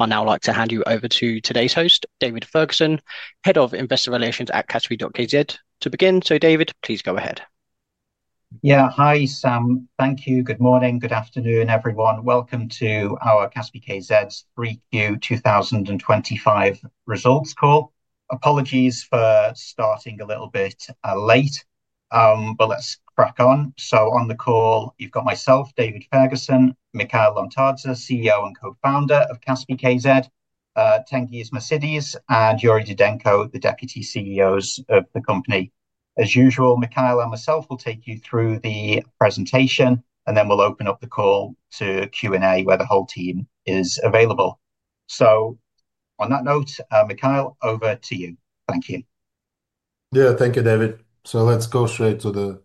I'd now like to hand you over to today's host, David Ferguson, Head of Investor Relations at Kaspi.kz. To begin, so David, please go ahead. Yeah, hi, Sam. Thank you. Good morning, good afternoon, everyone. Welcome to our Kaspi.kz's 3Q 2025 results call. Apologies for starting a little bit late, but let's crack on. On the call, you've got myself, David Ferguson, Mikheil Lomtadze, CEO and co-founder of Kaspi.kz, Tengiz Mosidze, and Yuri Didenko, the Deputy CEOs of the company. As usual, Mikheil and myself will take you through the presentation, and then we'll open up the call to Q&A where the whole team is available. On that note, Mikheil, over to you. Thank you. Yeah, thank you, David. Let's go straight to the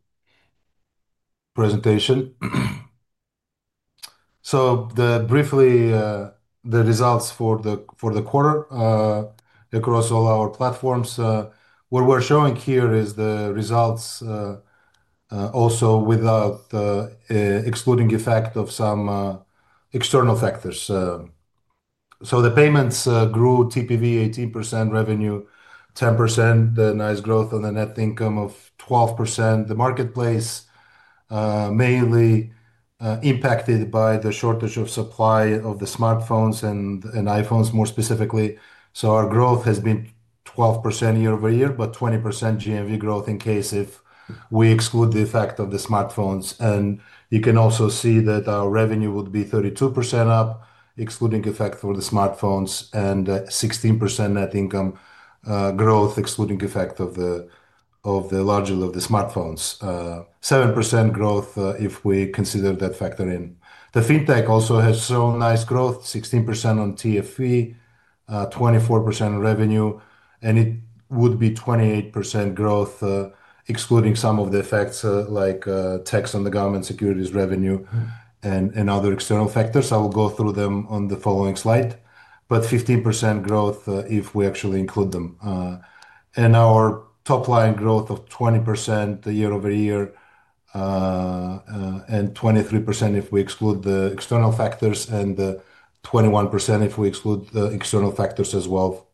presentation. Briefly, the results for the quarter across all our platforms. What we're showing here is the results also without excluding the effect of some external factors. The payments grew, TPV 18%, revenue 10%, the nice growth on the net income of 12%. The marketplace is mainly impacted by the shortage of supply of the smartphones and iPhones, more specifically. Our growth has been 12% year-over-year, but 20% GMV growth in case if we exclude the effect of the smartphones. You can also see that our revenue would be 32% up, excluding effect for the smartphones, and 16% net income growth, excluding effect of the larger of the smartphones. 7% growth if we consider that factor in. The fintech also has shown nice growth, 16% on TFV, 24% revenue, and it would be 28% growth, excluding some of the effects like tax on the government securities revenue and other external factors. I will go through them on the following slide, but 15% growth if we actually include them. Our top line growth of 20% year-over-year and 23% if we exclude the external factors and 21% if we exclude the external factors as well.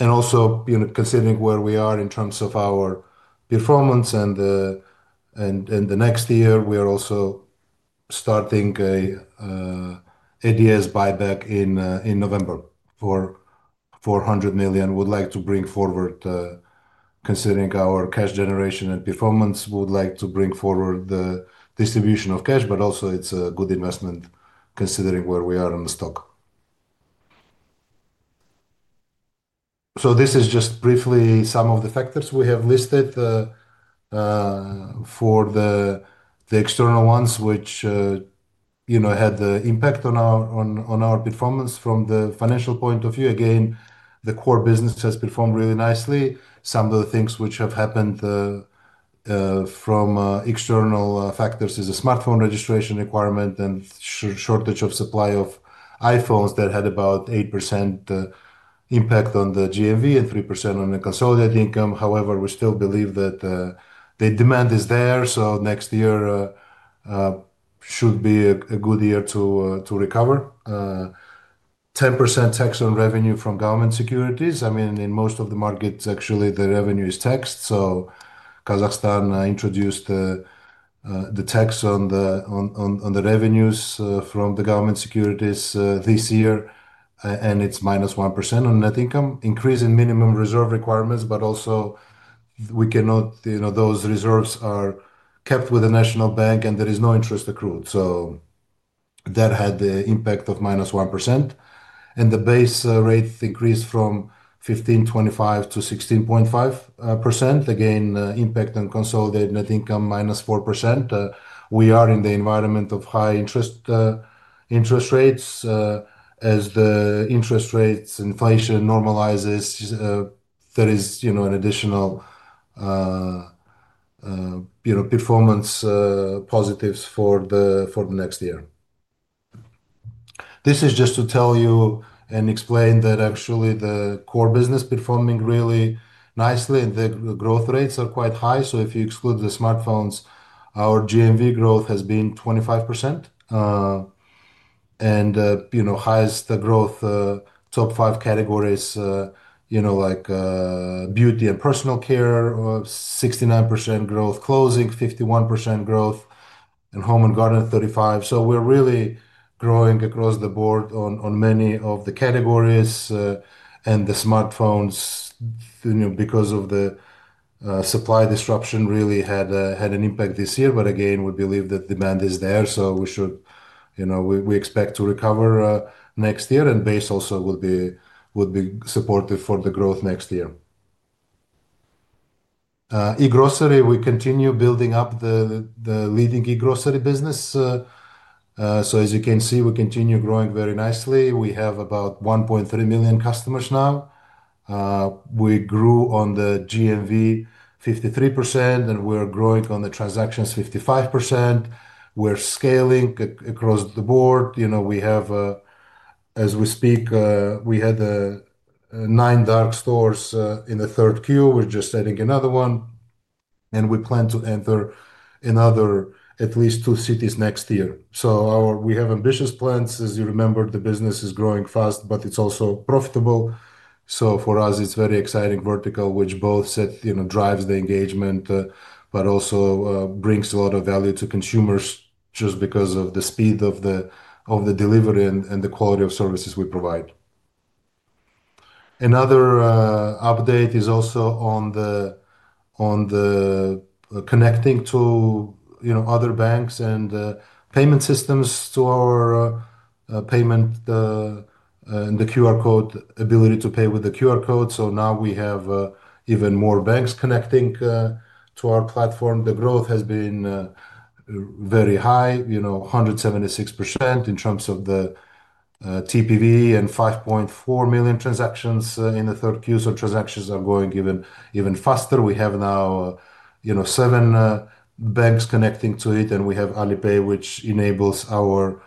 Also, considering where we are in terms of our performance and the next year, we are also starting ADS buyback in November for $400 million. We'd like to bring forward, considering our cash generation and performance, we'd like to bring forward the distribution of cash, but also it's a good investment considering where we are on the stock. This is just briefly some of the factors we have listed for the external ones, which had the impact on our performance from the financial point of view. Again, the core business has performed really nicely. Some of the things which have happened from external factors is a smartphone registration requirement and shortage of supply of iPhones that had about 8% impact on the GMV and 3% on the consolidated income. However, we still believe that the demand is there, so next year should be a good year to recover. 10% tax on revenue from government securities. I mean, in most of the markets, actually, the revenue is taxed. Kazakhstan introduced the tax on the revenues from the government securities this year, and it's minus 1% on net income, increase in minimum reserve requirements, but also we cannot, those reserves are kept with the national bank and there is no interest accrued. That had the impact of -1%. The base rate increased from 15.25% to 16.5%. Again, impact on consolidated net income minus 4%. We are in the environment of high interest rates as the interest rates inflation normalizes. There is an additional performance positives for the next year. This is just to tell you and explain that actually the core business is performing really nicely and the growth rates are quite high. If you exclude the smartphones, our GMV growth has been 25%. Highest growth, top five categories like beauty and personal care, 69% growth, clothing, 51% growth, and home and garden, 35%. We are really growing across the board on many of the categories. The smartphones, because of the supply disruption, really had an impact this year. We believe that demand is there, so we expect to recover next year and base also would be supportive for the growth next year. E-grocery, we continue building up the leading e-grocery business. As you can see, we continue growing very nicely. We have about 1.3 million customers now. We grew on the GMV 53% and we are growing on the transactions 55%. We are scaling across the board. As we speak, we had nine dark stores in the third quarter. We are just adding another one. We plan to enter at least two more cities next year. We have ambitious plans. As you remember, the business is growing fast, but it's also profitable. For us, it's a very exciting vertical, which both drives the engagement, but also brings a lot of value to consumers just because of the speed of the delivery and the quality of services we provide. Another update is also on connecting to other banks and payment systems to our payment and the QR code ability to pay with the QR code. Now we have even more banks connecting to our platform. The growth has been very high, 176% in terms of the TPV and 5.4 million transactions in the third quarter. Transactions are going even faster. We have now seven banks connecting to it, and we have AliPay, which enables our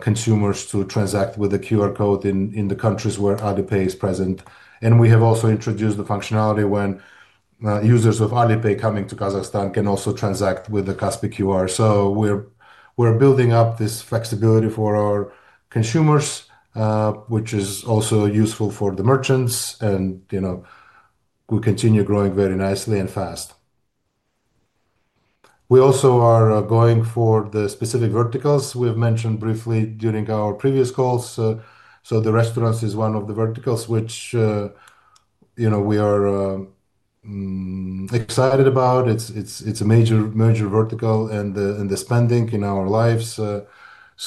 consumers to transact with the QR code in the countries where AliPay is present. We have also introduced the functionality when users of AliPay coming to Kazakhstan can also transact with the Kaspi QR. We are building up this flexibility for our consumers, which is also useful for the merchants, and we continue growing very nicely and fast. We also are going for the specific verticals we have mentioned briefly during our previous calls. The restaurants is one of the verticals which we are excited about. It is a major vertical and the spending in our lives.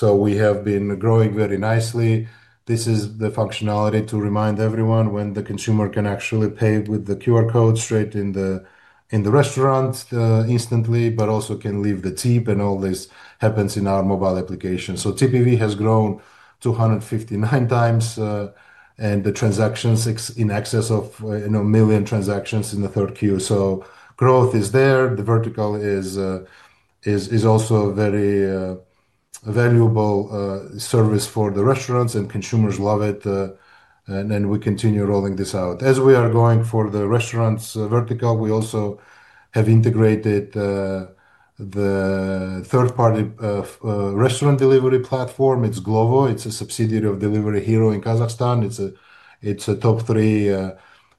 We have been growing very nicely. This is the functionality to remind everyone when the consumer can actually pay with the QR code straight in the restaurant instantly, but also can leave the tip, and all this happens in our mobile application. TPV has grown 259x, and the transactions in excess of 1 million transactions in the third quarter. Growth is there. The vertical is also a very valuable service for the restaurants, and consumers love it. We continue rolling this out. As we are going for the restaurants vertical, we also have integrated the third-party restaurant delivery platform. It's Glovo. It's a subsidiary of Delivery Hero in Kazakhstan. It's a top three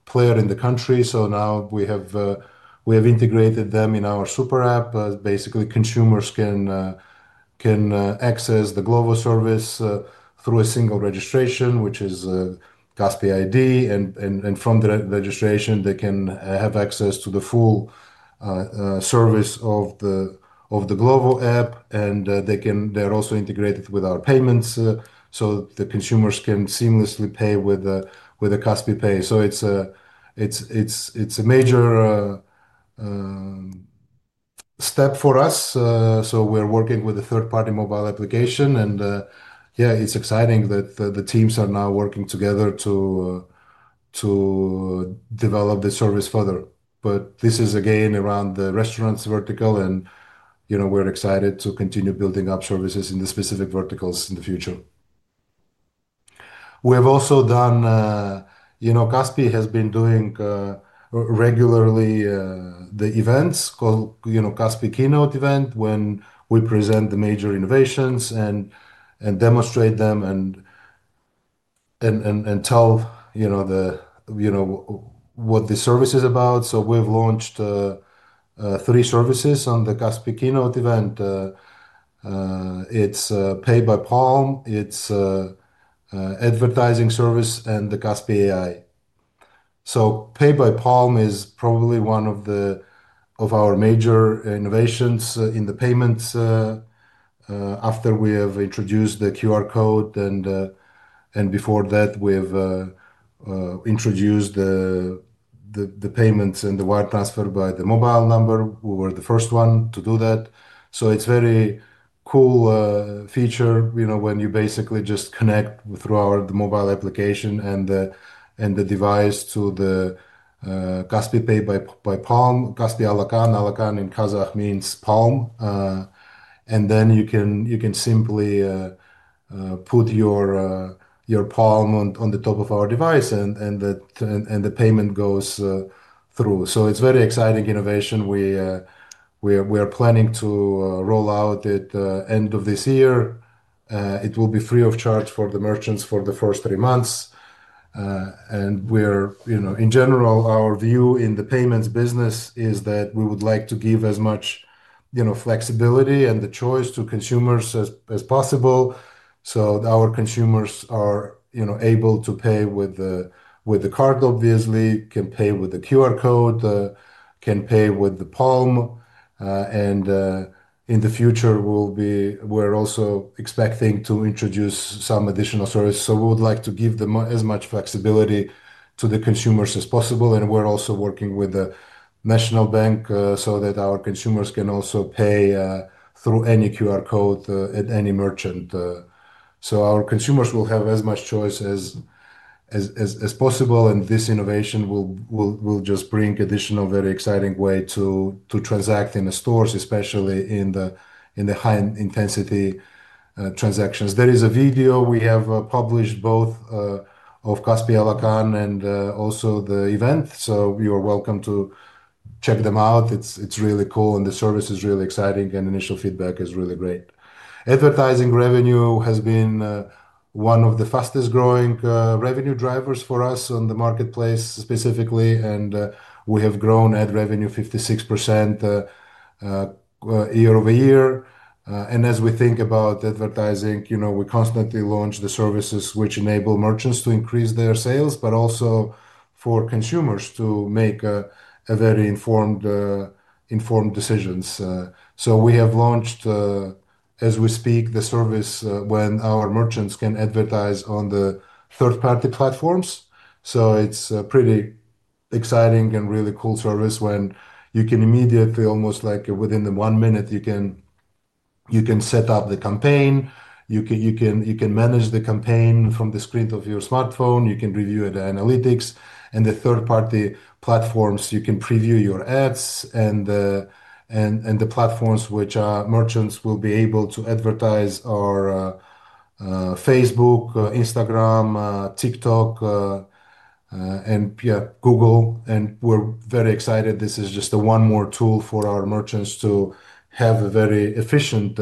player in the country. We have integrated them in our super app. Basically, consumers can access the Glovo service through a single registration, which is Kaspi ID. From the registration, they can have access to the full service of the Glovo app. They are also integrated with our payments. The consumers can seamlessly pay with the Kaspi Pay. It's a major step for us. We're working with a third-party mobile application. Yeah, it's exciting that the teams are now working together to develop the service further. This is again around the restaurants vertical, and we're excited to continue building up services in the specific verticals in the future. We have also done, Kaspi has been doing regularly the events, Kaspi Keynote event, when we present the major innovations and demonstrate them and tell what the service is about. We have launched three services on the Kaspi Keynote event. It's Pay by palm, it's advertising service, and the Kaspi Ai. Pay by palm is probably one of our major innovations in the payments after we have introduced the QR code. Before that, we have introduced the payments and the wire transfer by the mobile number. We were the first one to do that. It's a very cool feature when you basically just connect through our mobile application and the device to the Kaspi Pay by palm, Kaspi Alaqan. Alaqan in Kazakh means palm. You can simply put your palm on the top of our device, and the payment goes through. It is a very exciting innovation. We are planning to roll it out at the end of this year. It will be free of charge for the merchants for the first three months. In general, our view in the payments business is that we would like to give as much flexibility and choice to consumers as possible. Our consumers are able to pay with the card, obviously, can pay with the QR code, can pay with the palm. In the future, we are also expecting to introduce some additional services. We would like to give as much flexibility to the consumers as possible. We are also working with the national bank so that our consumers can also pay through any QR code at any merchant. Our consumers will have as much choice as possible. This innovation will just bring an additional very exciting way to transact in the stores, especially in the high-intensity transactions. There is a video we have published both of Kaspi Alaqan and also the event. You are welcome to check them out. It is really cool, and the service is really exciting, and initial feedback is really great. Advertising revenue has been one of the fastest-growing revenue drivers for us on the marketplace specifically. We have grown that revenue 56% year-over-year. As we think about advertising, we constantly launch the services which enable merchants to increase their sales, but also for consumers to make very informed decisions. We have launched, as we speak, the service when our merchants can advertise on the third-party platforms. It is a pretty exciting and really cool service when you can immediately, almost like within one minute, set up the campaign. You can manage the campaign from the screen of your smartphone. You can review the analytics. On the third-party platforms, you can preview your ads. The platforms which merchants will be able to advertise are Facebook, Instagram, TikTok, and Google. We are very excited. This is just one more tool for our merchants to have very efficient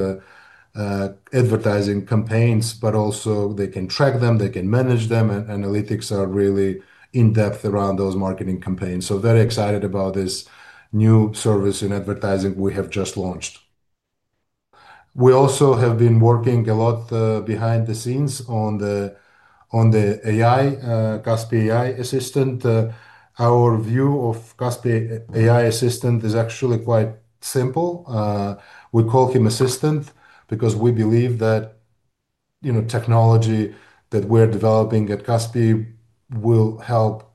advertising campaigns, but also they can track them, they can manage them, and analytics are really in-depth around those marketing campaigns. We are very excited about this new service in advertising we have just launched. We also have been working a lot behind the scenes on the AI, Kaspi Ai Assistant. Our view of Kaspi Ai Assistant is actually quite simple. We call him Assistant because we believe that technology that we're developing at Kaspi will help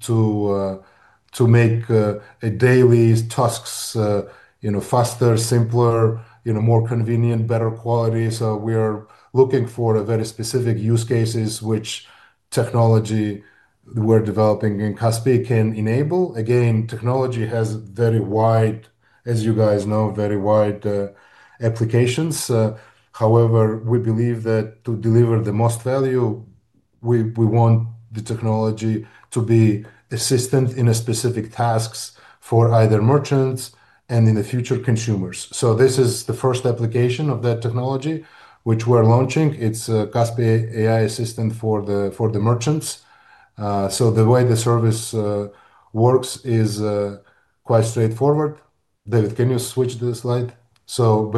to make daily tasks faster, simpler, more convenient, better quality. We are looking for very specific use cases which technology we're developing in Kaspi can enable. Technology has very wide, as you guys know, very wide applications. However, we believe that to deliver the most value, we want the technology to be assistant in specific tasks for either merchants and in the future consumers. This is the first application of that technology which we're launching. It's a Kaspi Ai Assistant for the merchants. The way the service works is quite straightforward. David, can you switch to the slide?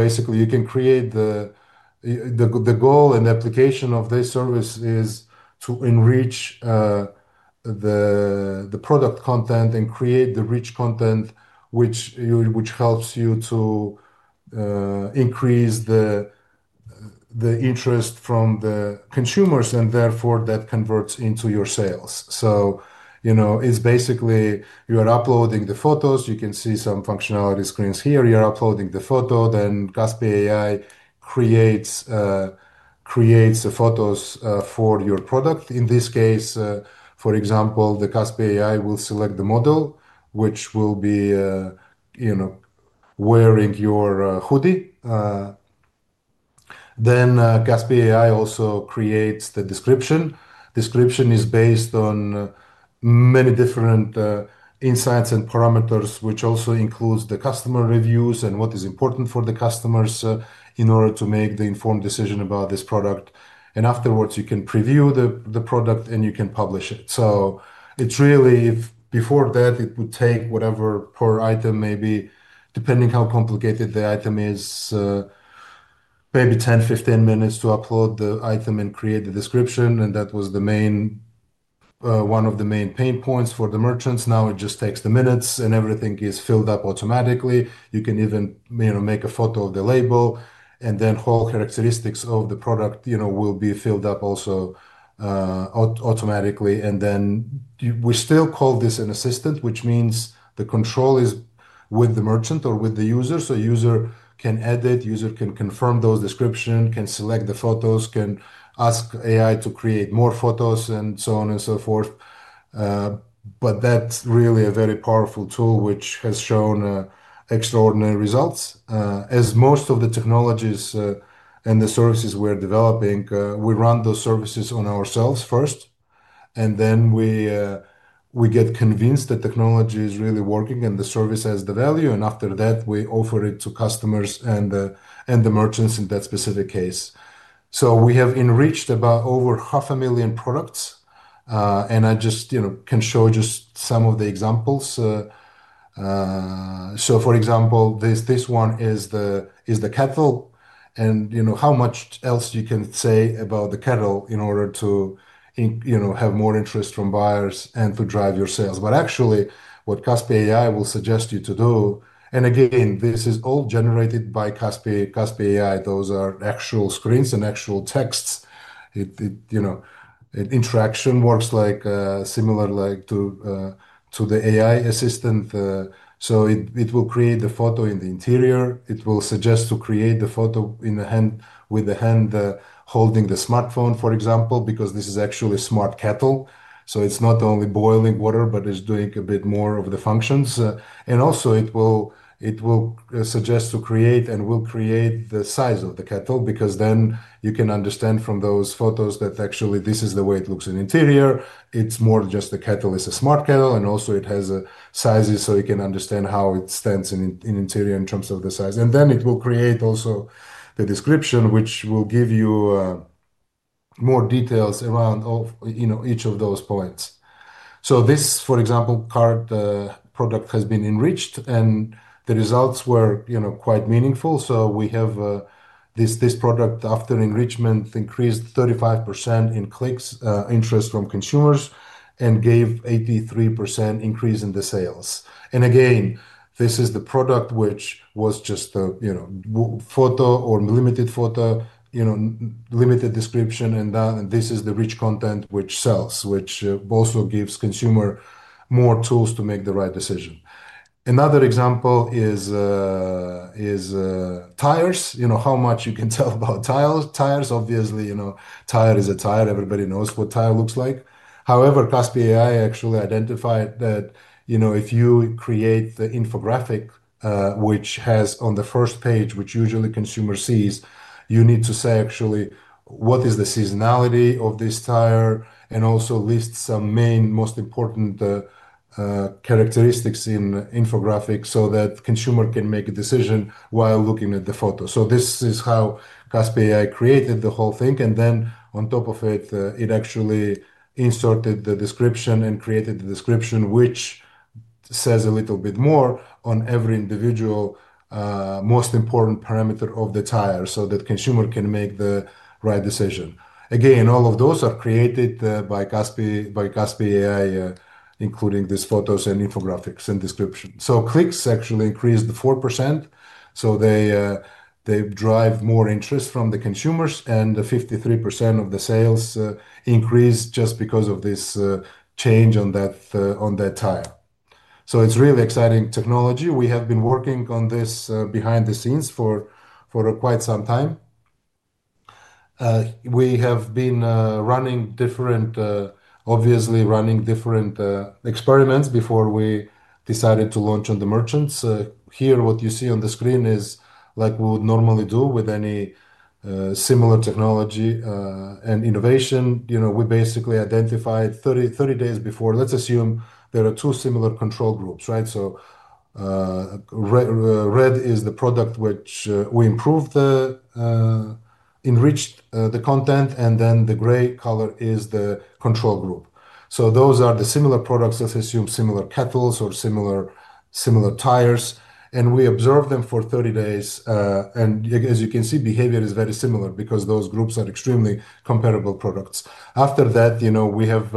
Basically, you can create the goal and application of this service is to enrich the product content and create the rich content, which helps you to increase the interest from the consumers, and therefore that converts into your sales. It's basically you are uploading the photos. You can see some functionality screens here. You're uploading the photo, then Kaspi Ai creates the photos for your product. In this case, for example, the Kaspi Ai will select the model which will be wearing your hoodie. Kaspi Ai also creates the description. Description is based on many different insights and parameters, which also includes the customer reviews and what is important for the customers in order to make the informed decision about this product. Afterwards, you can preview the product and you can publish it. Before that, it would take whatever per item, maybe depending on how complicated the item is, maybe 10, 15 minutes to upload the item and create the description. That was one of the main pain points for the merchants. Now it just takes the minutes and everything is filled up automatically. You can even make a photo of the label, and then whole characteristics of the product will be filled up also automatically. We still call this an assistant, which means the control is with the merchant or with the user. User can edit, user can confirm those descriptions, can select the photos, can ask AI to create more photos, and so on and so forth. That is really a very powerful tool which has shown extraordinary results. As most of the technologies and the services we're developing, we run those services on ourselves first, and then we get convinced the technology is really working and the service has the value. After that, we offer it to customers and the merchants in that specific case. We have enriched about over 500,000 products. I just can show just some of the examples. For example, this one is the kettle. How much else you can say about the kettle in order to have more interest from buyers and to drive your sales. Actually, what Kaspi Ai will suggest you to do, and again, this is all generated by Kaspi Ai. Those are actual screens and actual texts. Interaction works similar to the AI assistant. It will create the photo in the interior. It will suggest to create the photo with the hand holding the smartphone, for example, because this is actually a smart kettle. It is not only boiling water, but it is doing a bit more of the functions. It will also suggest to create and will create the size of the kettle because then you can understand from those photos that actually this is the way it looks in the interior. It is more just the kettle is a smart kettle, and it also has sizes so you can understand how it stands in the interior in terms of the size. It will create also the description, which will give you more details around each of those points. This, for example, card product has been enriched, and the results were quite meaningful. We have this product after enrichment increased 35% in clicks interest from consumers and gave 83% increase in the sales. Again, this is the product which was just a photo or limited photo, limited description. This is the rich content which sells, which also gives consumer more tools to make the right decision. Another example is tires, how much you can tell about tires. Obviously, tire is a tire. Everybody knows what tire looks like. However, Kaspi Ai actually identified that if you create the infographic which has on the first page, which usually consumer sees, you need to say actually what is the seasonality of this tire and also list some main most important characteristics in infographic so that consumer can make a decision while looking at the photo. This is how Kaspi Ai created the whole thing. It actually inserted the description and created the description which says a little bit more on every individual most important parameter of the tire so that consumer can make the right decision. Again, all of those are created by Kaspi Ai, including these photos and infographics and description. Clicks actually increased 4%. They drive more interest from the consumers, and 53% of the sales increased just because of this change on that tire. It is really exciting technology. We have been working on this behind the scenes for quite some time. We have been running, obviously, running different experiments before we decided to launch on the merchants. Here, what you see on the screen is like we would normally do with any similar technology and innovation. We basically identified 30 days before. Let's assume there are two similar control groups, right? Red is the product which we improved, enriched the content, and then the gray color is the control group. Those are the similar products. Let's assume similar kettles or similar tires. We observed them for 30 days. As you can see, behavior is very similar because those groups are extremely comparable products. After that, we have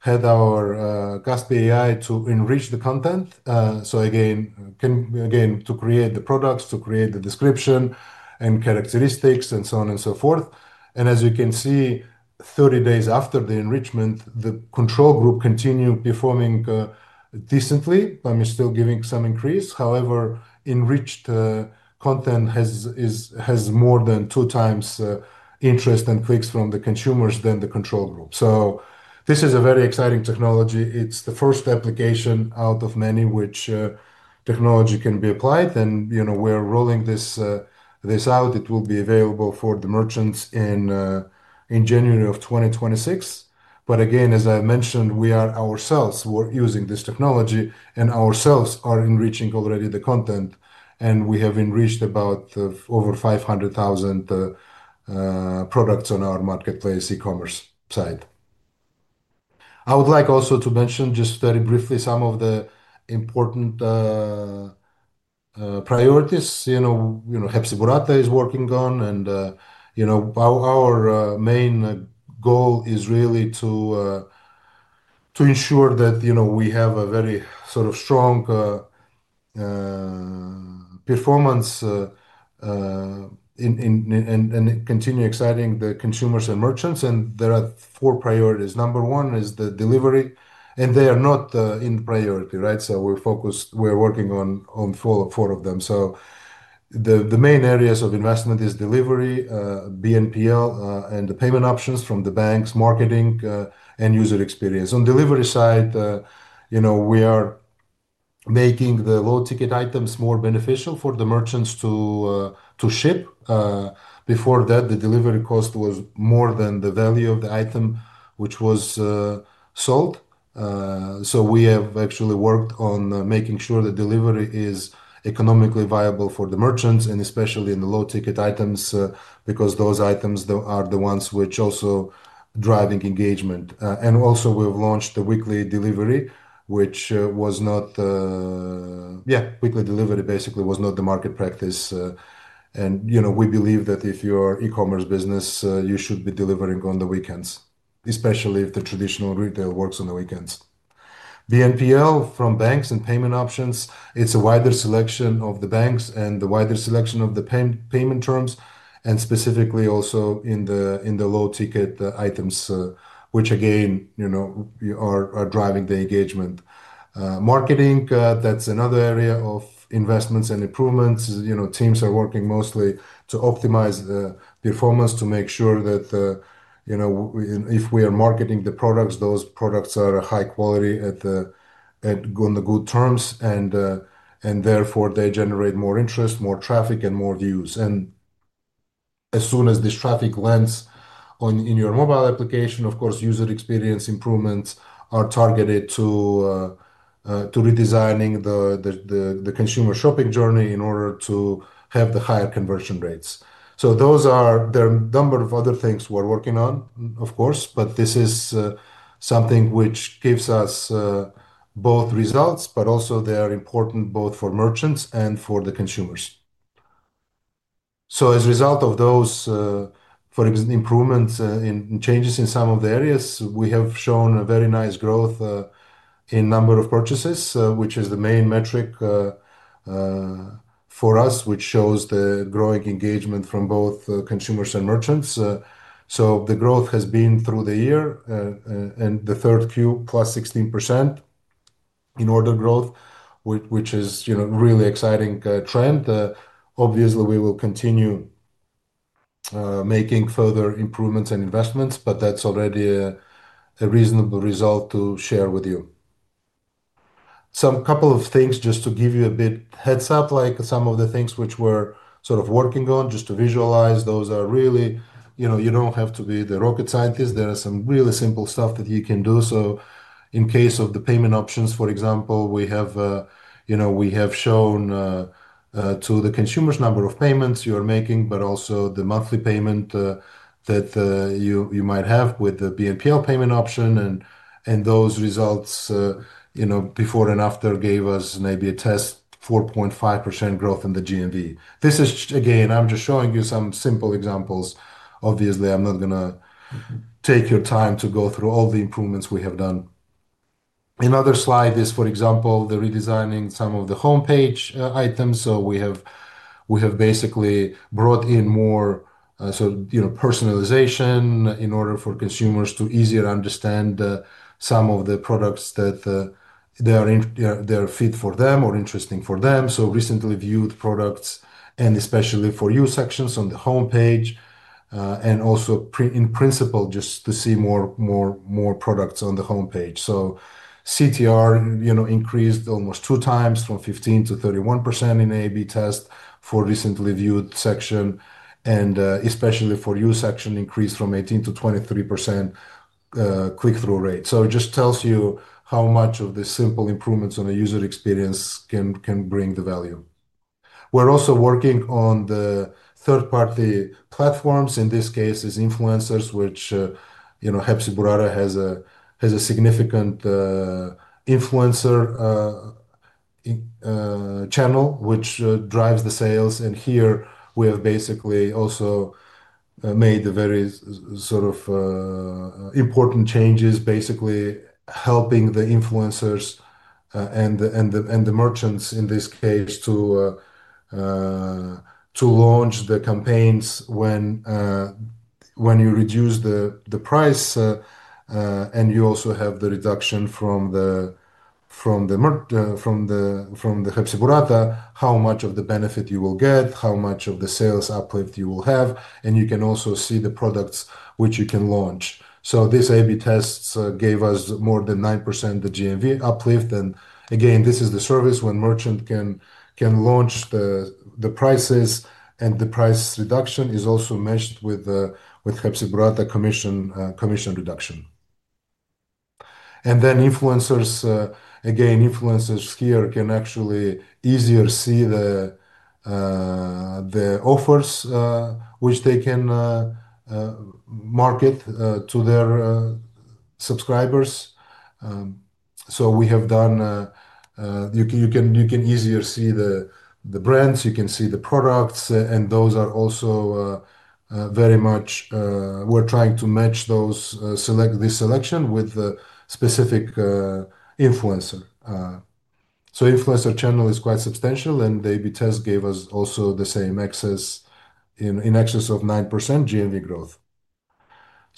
had our Kaspi Ai to enrich the content. Again, to create the products, to create the description and characteristics, and so on and so forth. As you can see, 30 days after the enrichment, the control group continued performing decently, but still giving some increase. However, enriched content has more than two times interest and clicks from the consumers than the control group. This is a very exciting technology. It is the first application out of many which technology can be applied. We are rolling this out. It will be available for the merchants in January of 2026. As I mentioned, we are ourselves using this technology, and ourselves are enriching already the content. We have enriched about over 500,000 products on our marketplace e-Commerce site. I would like also to mention just very briefly some of the important priorities Hepsiburada is working on. Our main goal is really to ensure that we have a very sort of strong performance and continue exciting the consumers and merchants. There are four priorities. Number one is the delivery, and they are not in priority, right? We are working on four of them. The main areas of investment are delivery, BNPL and the payment options from the banks, marketing, and user experience. On the delivery side, we are making the low-ticket items more beneficial for the merchants to ship. Before that, the delivery cost was more than the value of the item which was sold. We have actually worked on making sure the delivery is economically viable for the merchants, especially in the low-ticket items because those items are the ones which also drive engagement. We have launched the weekly delivery, which was not, yeah, weekly delivery basically was not the market practice. We believe that if you are an e-Commerce business, you should be delivering on the weekends, especially if the traditional retail works on the weekends. BNPL from banks and payment options, it is a wider selection of the banks and the wider selection of the payment terms, and specifically also in the low-ticket items, which again are driving the engagement. Marketing, that is another area of investments and improvements. Teams are working mostly to optimize the performance to make sure that if we are marketing the products, those products are high quality on the good terms, and therefore they generate more interest, more traffic, and more views. As soon as this traffic lands in your mobile application, of course, user experience improvements are targeted to redesigning the consumer shopping journey in order to have the higher conversion rates. There are a number of other things we're working on, of course, but this is something which gives us both results, but also they are important both for merchants and for the consumers. As a result of those, for improvements and changes in some of the areas, we have shown a very nice growth in number of purchases, which is the main metric for us, which shows the growing engagement from both consumers and merchants. The growth has been through the year and the third Q, +16% in order growth, which is a really exciting trend. Obviously, we will continue making further improvements and investments, but that's already a reasonable result to share with you. A couple of things just to give you a bit of heads up, like some of the things which we're sort of working on just to visualize, those are really, you don't have to be the rocket scientist. There are some really simple stuff that you can do. In case of the payment options, for example, we have shown to the consumers number of payments you are making, but also the monthly payment that you might have with the BNPL payment option. Those results before and after gave us maybe a test 4.5% growth in the GMV. This is, again, I'm just showing you some simple examples. Obviously, I'm not going to take your time to go through all the improvements we have done. Another slide is, for example, the redesigning some of the homepage items. We have basically brought in more personalization in order for consumers to easier understand some of the products that are fit for them or interesting for them. Recently viewed products and especially for you sections on the homepage and also in principle just to see more products on the homepage. CTR increased almost two times from 15% to 31% in A/B test for recently viewed section. Especially for you section increased from 18% to 23% click-through rate. It just tells you how much of the simple improvements on the user experience can bring the value. We're also working on the third-party platforms. In this case, it's influencers, which Hepsiburada has a significant influencer channel which drives the sales. Here we have basically also made the very sort of important changes, basically helping the influencers and the merchants in this case to launch the campaigns when you reduce the price. You also have the reduction from the Hepsiburada, how much of the benefit you will get, how much of the sales uplift you will have. You can also see the products which you can launch. This A/B tests gave us more than 9% the GMV uplift. Again, this is the service when merchant can launch the prices, and the price reduction is also matched with Hepsiburada commission reduction. Influencers, again, influencers here can actually easier see the offers which they can market to their subscribers. So we have done, you can easier see the brands, you can see the products, and those are also very much we're trying to match this selection with the specific influencer. Influencer channel is quite substantial, and the A/B test gave us also the same access in excess of 9% GMV growth.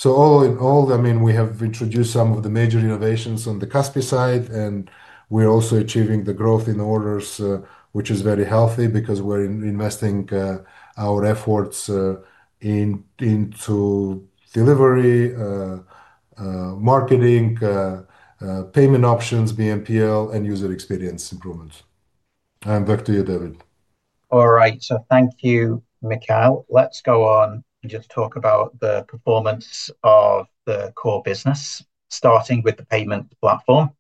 All in all, I mean, we have introduced some of the major innovations on the Kaspi side, and we're also achieving the growth in orders, which is very healthy because we're investing our efforts into delivery, marketing, payment options, BNPL, and user experience improvements. I'm back to you, David. All right. Thank you, Mikheil. Let's go on and just talk about the performance of the core business, starting with the payment platform.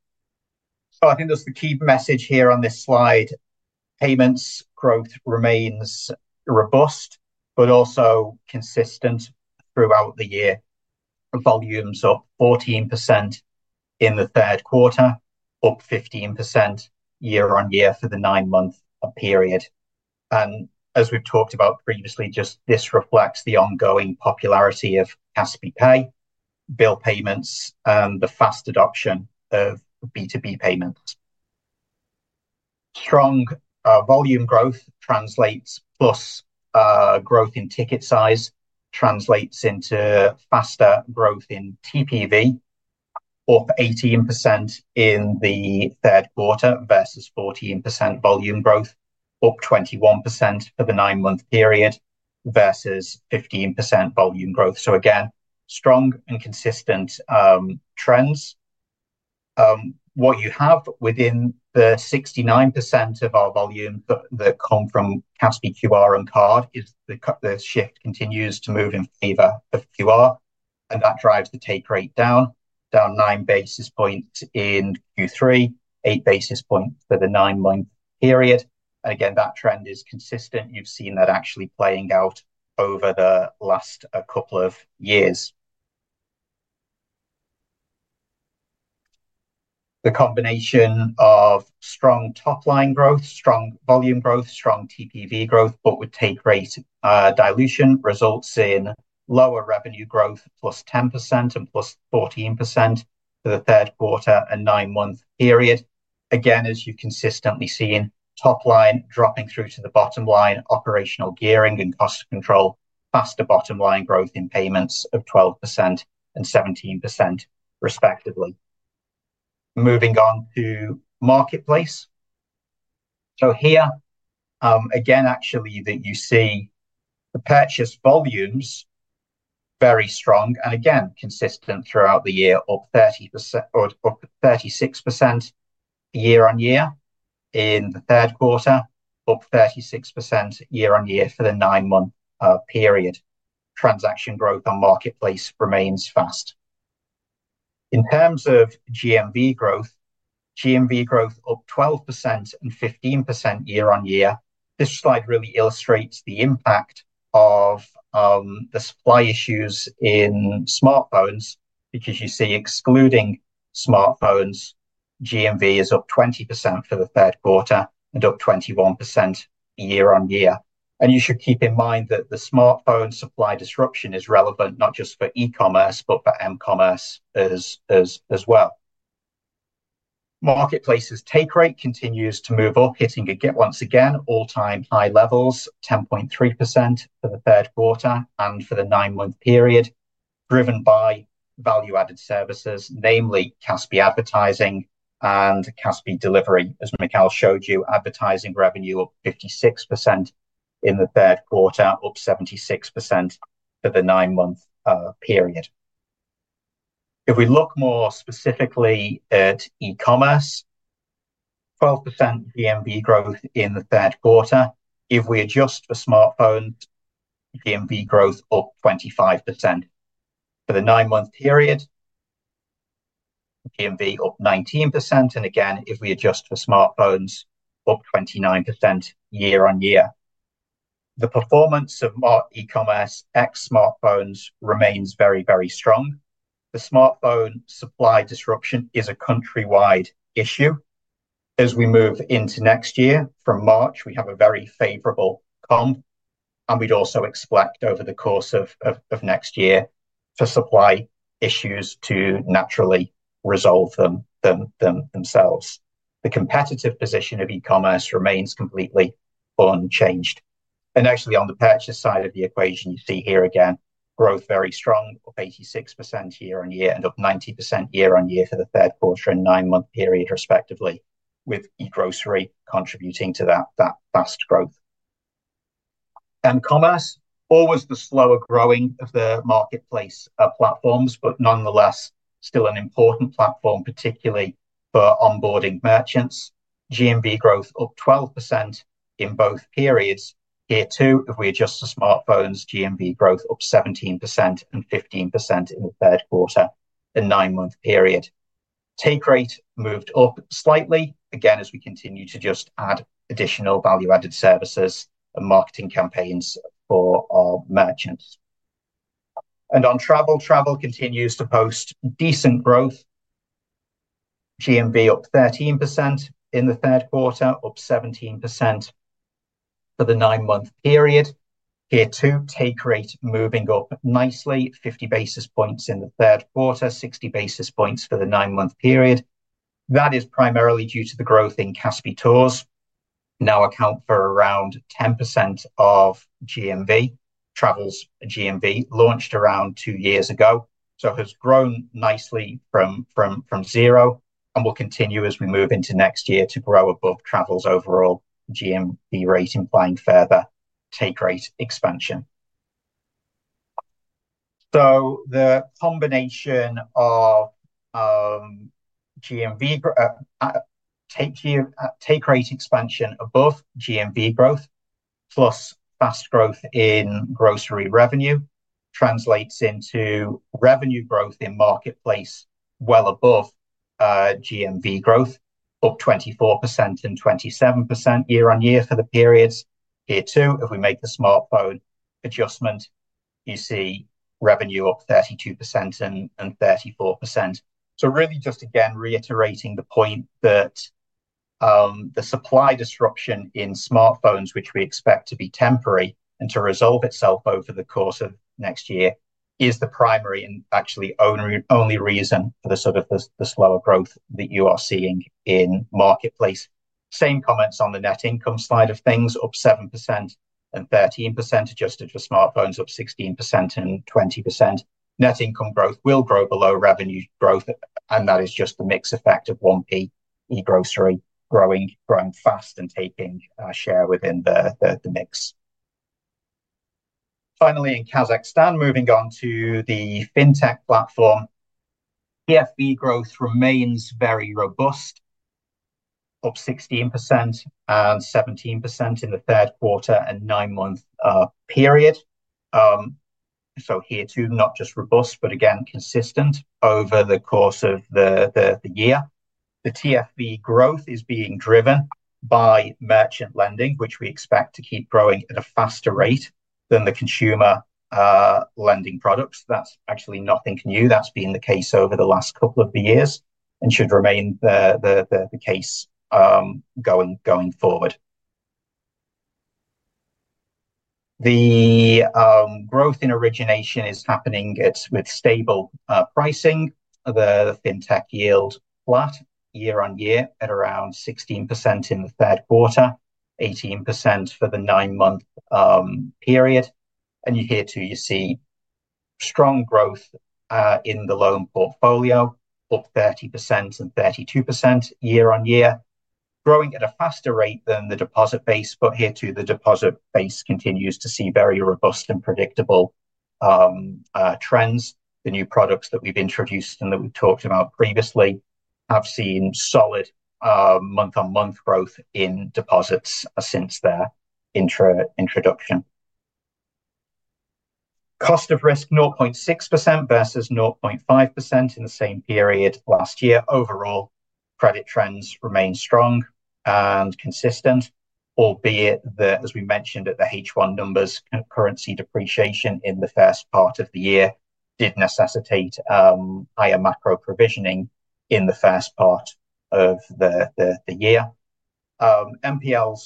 I think that's the key message here on this slide. Payments growth remains robust, but also consistent throughout the year. Volumes up 14% in the third quarter, up 15% year on year for the nine-month period. As we have talked about previously, this just reflects the ongoing popularity of Kaspi Pay, bill payments, and the fast adoption of B2B payments. Strong volume growth translates plus growth in ticket size translates into faster growth in TPV, up 18% in the third quarter versus 14% volume growth, up 21% for the nine-month period versus 15% volume growth. Again, strong and consistent trends. What you have within the 69% of our volume that come from Kaspi QR and card is the shift continues to move in favor of QR. That drives the take rate down, down nine basis points in Q3, eight basis points for the nine-month period. Again, that trend is consistent. You have seen that actually playing out over the last couple of years. The combination of strong top-line growth, strong volume growth, strong TPV growth, but with take rate dilution results in lower revenue growth, +10% and +14% for the third quarter and nine-month period. Again, as you consistently see in top-line dropping through to the bottom line, operational gearing and cost control, faster bottom-line growth in payments of 12% and 17%, respectively. Moving on to marketplace. Here, again, actually that you see the purchase volumes very strong and again, consistent throughout the year of 36% year on year in the third quarter, up 36% year on year for the nine-month period. Transaction growth on marketplace remains fast. In terms of GMV growth, GMV growth up 12% and 15% year on year. This slide really illustrates the impact of the supply issues in smartphones because you see excluding smartphones, GMV is up 20% for the third quarter and up 21% year on year. You should keep in mind that the smartphone supply disruption is relevant not just for e-Commerce, but for m-Commerce as well. Marketplace's take rate continues to move up, hitting once again all-time high levels, 10.3% for the third quarter and for the nine-month period, driven by value-added services, namely Kaspi Advertising and Kaspi Delivery, as Mikheil showed you, advertising revenue up 56% in the third quarter, up 76% for the nine-month period. If we look more specifically at e-Commerce, 12% GMV growth in the third quarter. If we adjust for smartphones, GMV growth up 25%. For the nine-month period, GMV up 19%. Again, if we adjust for smartphones, up 29% year on year. The performance of e-Commerce ex smartphones remains very, very strong. The smartphone supply disruption is a countrywide issue. As we move into next year, from March, we have a very favorable comp. We would also expect over the course of next year for supply issues to naturally resolve themselves. The competitive position of e-Commerce remains completely unchanged. Actually, on the purchase side of the equation, you see here again, growth very strong, up 86% year on year and up 90% year on year for the third quarter and nine-month period, respectively, with e-grocery contributing to that fast growth. Commerce, always the slower growing of the marketplace platforms, but nonetheless still an important platform, particularly for onboarding merchants. GMV growth up 12% in both periods. Here too, if we adjust for smartphones, GMV growth up 17% and 15% in the third quarter and nine-month period. Take rate moved up slightly, again, as we continue to just add additional value-added services and marketing campaigns for our merchants. On travel, travel continues to post decent growth. GMV up 13% in the third quarter, up 17% for the nine-month period. Here too, take rate moving up nicely, 50 basis points in the third quarter, 60 basis points for the nine-month period. That is primarily due to the growth in Kaspi Tours, now account for around 10% of GMV. Travel's GMV launched around two years ago, so has grown nicely from zero and will continue as we move into next year to grow above travel's overall GMV rate, implying further take rate expansion. The combination of GMV take rate expansion above GMV growth plus fast growth in grocery revenue translates into revenue growth in marketplace well above GMV growth, up 24% and 27% year on year for the periods. Here too, if we make the smartphone adjustment, you see revenue up 32% and 34%. Really just again, reiterating the point that the supply disruption in smartphones, which we expect to be temporary and to resolve itself over the course of next year, is the primary and actually only reason for the sort of the slower growth that you are seeing in marketplace. Same comments on the net income side of things, up 7% and 13% adjusted for smartphones, up 16% and 20%. Net income growth will grow below revenue growth, and that is just the mix effect of one-piece e-grocery growing fast and taking share within the mix. Finally, in Kazakhstan, moving on to the fintech platform, TFV growth remains very robust, up 16% and 17% in the third quarter and nine-month period. Here too, not just robust, but again, consistent over the course of the year. The TFV growth is being driven by merchant lending, which we expect to keep growing at a faster rate than the consumer lending products. That is actually nothing new. That has been the case over the last couple of years and should remain the case going forward. The growth in origination is happening with stable pricing. The fintech yield flat year on year at around 16% in the third quarter, 18% for the nine-month period. Here too, you see strong growth in the loan portfolio, up 30% and 32% year on year, growing at a faster rate than the deposit base. Here too, the deposit base continues to see very robust and predictable trends. The new products that we've introduced and that we've talked about previously have seen solid month-on-month growth in deposits since their introduction. Cost of risk, 0.6% versus 0.5% in the same period last year. Overall, credit trends remain strong and consistent, albeit that, as we mentioned at the H1 numbers, currency depreciation in the first part of the year did necessitate higher macro provisioning in the first part of the year. MPLs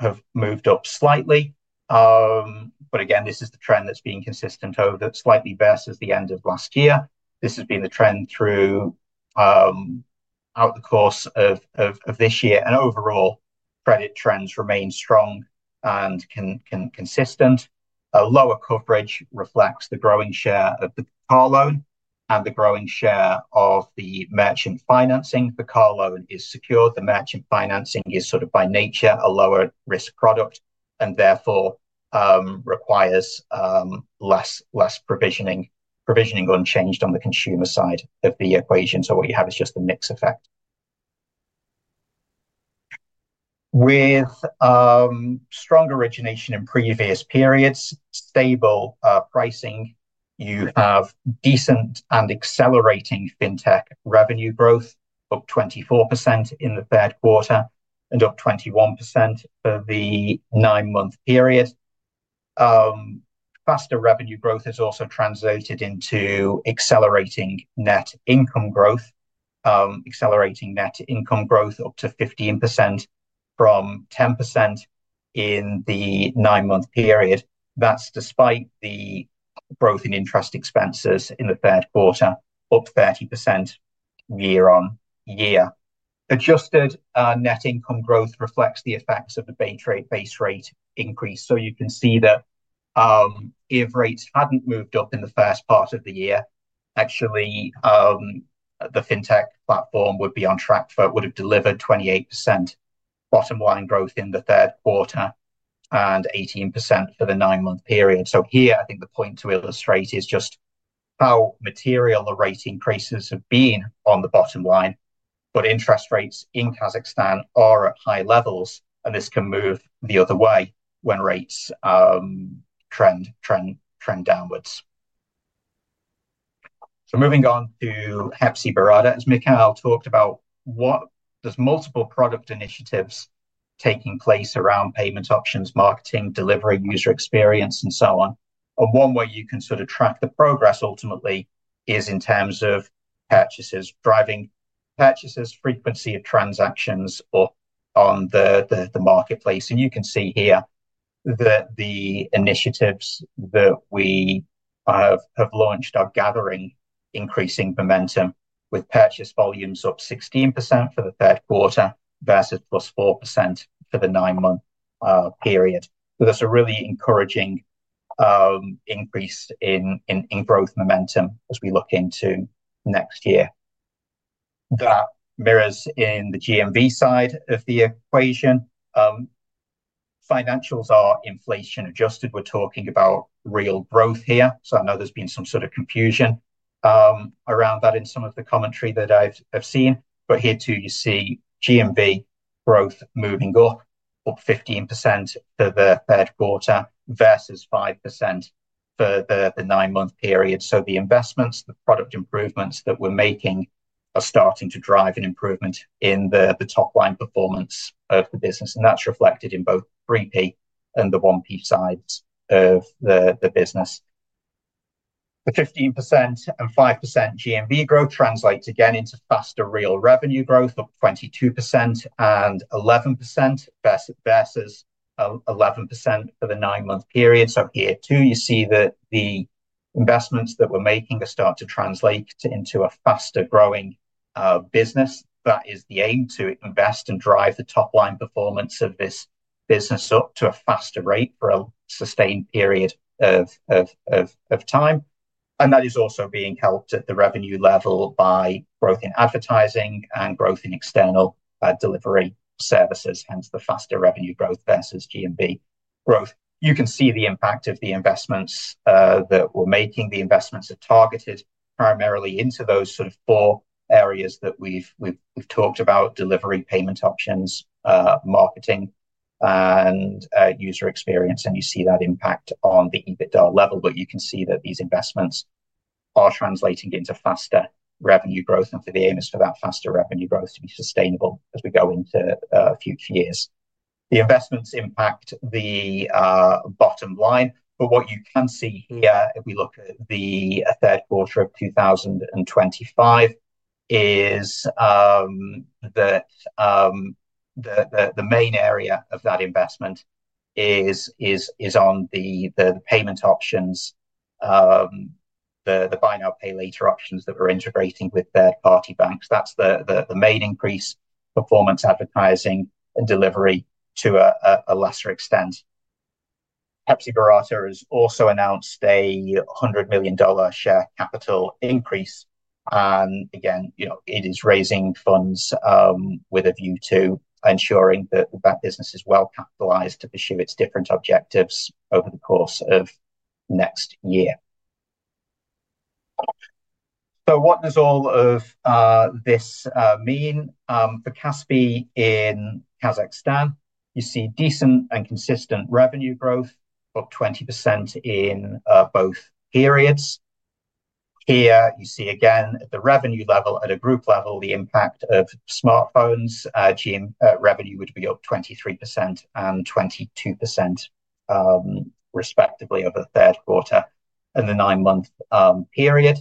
have moved up slightly, but again, this is the trend that's been consistent over slightly versus the end of last year. This has been the trend throughout the course of this year. Overall, credit trends remain strong and consistent. Lower coverage reflects the growing share of the car loan and the growing share of the merchant financing. The car loan is secured. The merchant financing is sort of by nature a lower risk product and therefore requires less provisioning unchanged on the consumer side of the equation. So what you have is just a mix effect. With strong origination in previous periods, stable pricing, you have decent and accelerating fintech revenue growth, up 24% in the third quarter and up 21% for the nine-month period. Faster revenue growth has also translated into accelerating net income growth, accelerating net income growth up to 15% from 10% in the nine-month period. That's despite the growth in interest expenses in the third quarter, up 30% year on year. Adjusted net income growth reflects the effects of the base rate increase. You can see that if rates had not moved up in the first part of the year, actually the fintech platform would be on track for it would have delivered 28% bottom line growth in the third quarter and 18% for the nine-month period. I think the point to illustrate is just how material the rate increases have been on the bottom line. Interest rates in Kazakhstan are at high levels, and this can move the other way when rates trend downwards. Moving on to Hepsiburada, as Mikheil talked about, there are multiple product initiatives taking place around payment options, marketing, delivery, user experience, and so on. One way you can sort of track the progress ultimately is in terms of purchases, driving purchases, frequency of transactions on the marketplace. You can see here that the initiatives that we have launched are gathering increasing momentum with purchase volumes up 16% for the third quarter versus 4% for the nine-month period. That is a really encouraging increase in growth momentum as we look into next year. That mirrors in the GMV side of the equation. Financials are inflation adjusted. We are talking about real growth here. I know there has been some sort of confusion around that in some of the commentary that I have seen. Here too, you see GMV growth moving up, up 15% for the third quarter versus 5% for the nine-month period. The investments, the product improvements that we are making are starting to drive an improvement in the top-line performance of the business. That is reflected in both three-piece and the one-piece sides of the business. The 15% and 5% GMV growth translates again into faster real revenue growth of 22% and 11% versus 11% for the nine-month period. Here too, you see that the investments that we're making are starting to translate into a faster growing business. That is the aim to invest and drive the top-line performance of this business up to a faster rate for a sustained period of time. That is also being helped at the revenue level by growth in advertising and growth in external delivery services, hence the faster revenue growth versus GMV growth. You can see the impact of the investments that we're making. The investments are targeted primarily into those sort of four areas that we've talked about: delivery, payment options, marketing, and user experience. You see that impact on the EBITDA level. You can see that these investments are translating into faster revenue growth. The aim is for that faster revenue growth to be sustainable as we go into future years. The investments impact the bottom line. What you can see here, if we look at the third quarter of 2025, is that the main area of that investment is on the payment options, the buy now, pay later options that we are integrating with third-party banks. That is the main increase: performance, advertising, and delivery to a lesser extent. Hepsiburada has also announced a $100 million share capital increase. It is raising funds with a view to ensuring that business is well capitalized to pursue its different objectives over the course of next year. What does all of this mean for Kaspi in Kazakhstan? You see decent and consistent revenue growth of 20% in both periods. Here you see again at the revenue level, at a group level, the impact of smartphones. Revenue would be up 23% and 22%, respectively, over the third quarter and the nine-month period.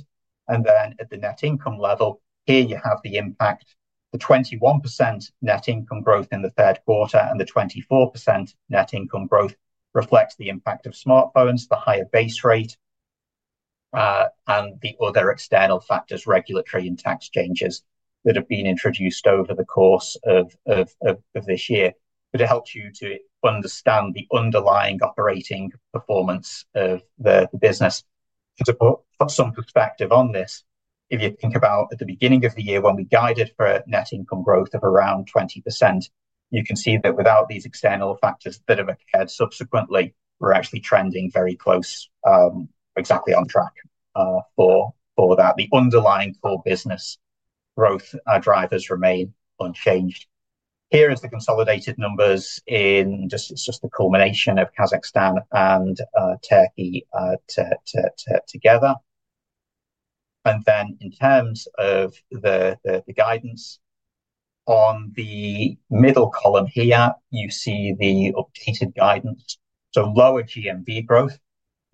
At the net income level, here you have the impact. The 21% net income growth in the third quarter and the 24% net income growth reflects the impact of smartphones, the higher base rate, and the other external factors, regulatory and tax changes that have been introduced over the course of this year. It helps you to understand the underlying operating performance of the business. To put some perspective on this, if you think about at the beginning of the year when we guided for net income growth of around 20%, you can see that without these external factors that have occurred subsequently, we're actually trending very close, exactly on track for that. The underlying core business growth drivers remain unchanged. Here are the consolidated numbers in just the culmination of Kazakhstan and Turkey together. In terms of the guidance, on the middle column here, you see the updated guidance. Lower GMV growth.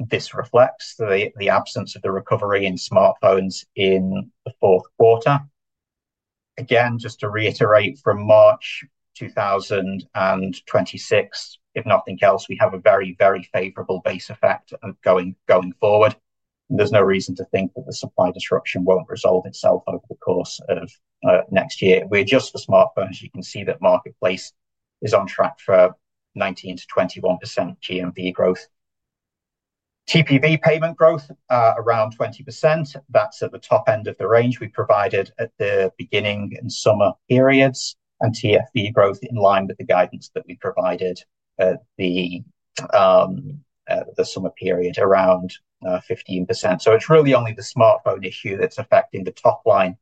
This reflects the absence of the recovery in smartphones in the fourth quarter. Again, just to reiterate, from March 2026, if nothing else, we have a very, very favorable base effect going forward. There's no reason to think that the supply disruption won't resolve itself over the course of next year. We adjust for smartphones. You can see that marketplace is on track for 19%-21% GMV growth. TPV payment growth around 20%. That is at the top end of the range we provided at the beginning and summer periods. And TFV growth in line with the guidance that we provided at the summer period around 15%. It is really only the smartphone issue that is affecting the top-line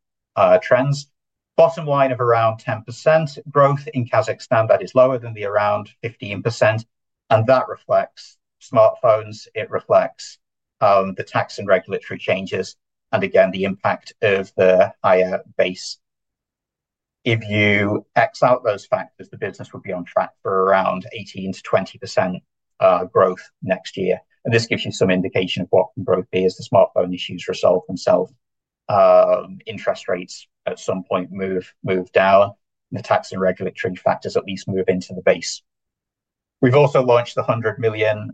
trends. Bottom line of around 10% growth in Kazakhstan, that is lower than the around 15%. That reflects smartphones. It reflects the tax and regulatory changes and again, the impact of the higher base. If you x out those factors, the business would be on track for around 18%-20% growth next year. This gives you some indication of what can growth be as the smartphone issues resolve themselves. Interest rates at some point move down. The tax and regulatory factors at least move into the base. We have also launched the $100 million,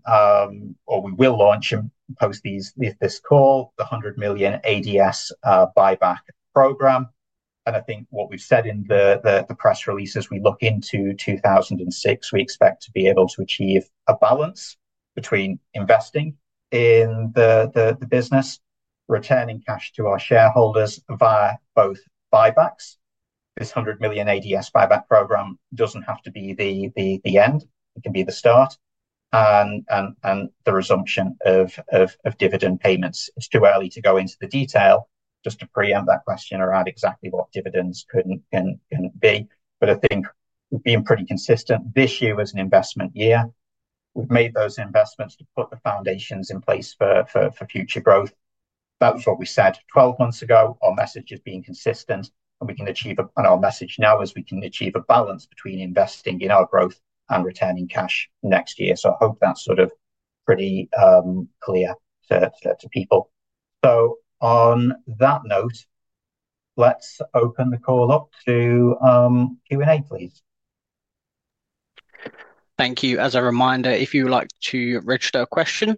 or we will launch and post this call, the $100 million ADS buyback program. I think what we have said in the press release as we look into 2026, we expect to be able to achieve a balance between investing in the business, returning cash to our shareholders via both buybacks. This $100 million ADS buyback program does not have to be the end. It can be the start and the resumption of dividend payments. It is too early to go into the detail just to preempt that question around exactly what dividends can be. I think we have been pretty consistent. This year was an investment year. We have made those investments to put the foundations in place for future growth. That was what we said 12 months ago. Our message has been consistent. We can achieve our message now is we can achieve a balance between investing in our growth and returning cash next year. I hope that's sort of pretty clear to people. On that note, let's open the call up to Q&A, please. Thank you. As a reminder, if you would like to register a question,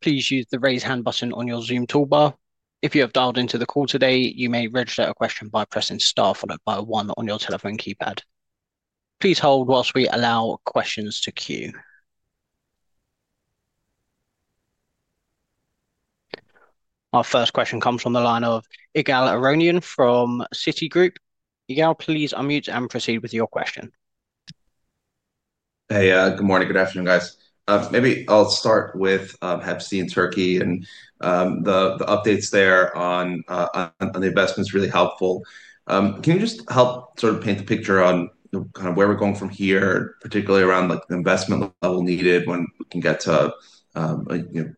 please use the raise hand button on your Zoom toolbar. If you have dialed into the call today, you may register a question by pressing star followed by one on your telephone keypad. Please hold whilst we allow questions to queue. Our first question comes from the line of Ygal Arounian from Citigroup. Ygal, please unmute and proceed with your question. Hey, good morning. Good afternoon, guys. Maybe I'll start with Hepsi and Turkey. The updates there on the investment is really helpful. Can you just help sort of paint the picture on kind of where we're going from here, particularly around the investment level needed when we can get to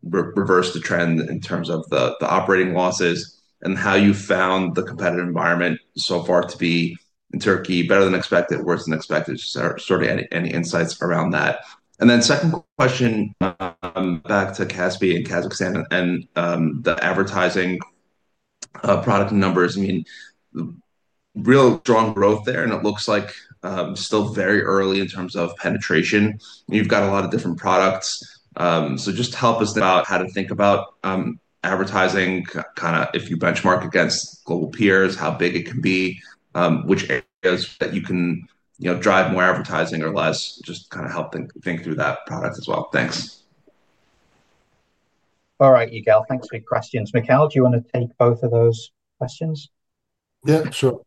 reverse the trend in terms of the operating losses and how you found the competitive environment so far to be in Turkey, better than expected, worse than expected, sort of any insights around that. Then second question back to Kaspi in Kazakhstan and the advertising product numbers. I mean, real strong growth there, and it looks like still very early in terms of penetration. You've got a lot of different products. So just help us about how to think about advertising, kind of if you benchmark against global peers, how big it can be, which areas that you can drive more advertising or less, just kind of help think through that product as well. Thanks. All right, Ygal. Thanks for your questions. Mikheil, do you want to take both of those questions? Yeah, sure.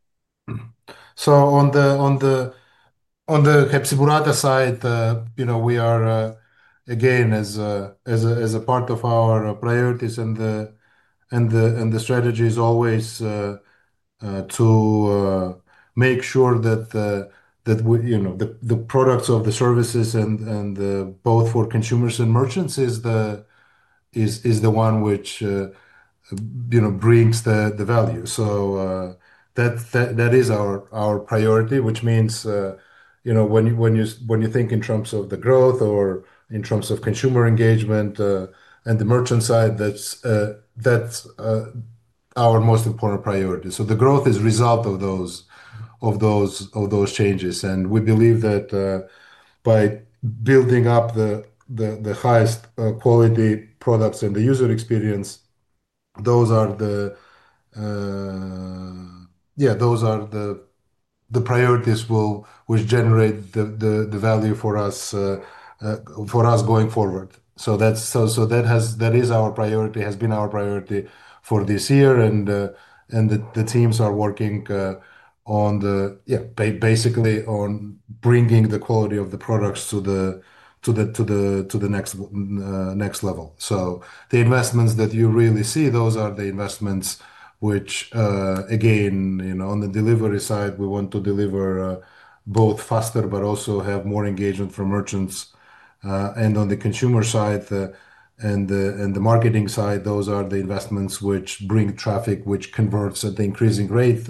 On the Hepsiburada side, we are, again, as a part of our priorities and the strategy is always to make sure that the products or the services and both for consumers and merchants is the one which brings the value. That is our priority, which means when you think in terms of the growth or in terms of consumer engagement and the merchant side, that is our most important priority. The growth is a result of those changes. We believe that by building up the highest quality products and the user experience, those are the, yeah, those are the priorities which generate the value for us going forward. That is our priority, has been our priority for this year. The teams are working on, yeah, basically on bringing the quality of the products to the next level. The investments that you really see, those are the investments which, again, on the delivery side, we want to deliver both faster, but also have more engagement from merchants. On the consumer side and the marketing side, those are the investments which bring traffic, which converts at the increasing rate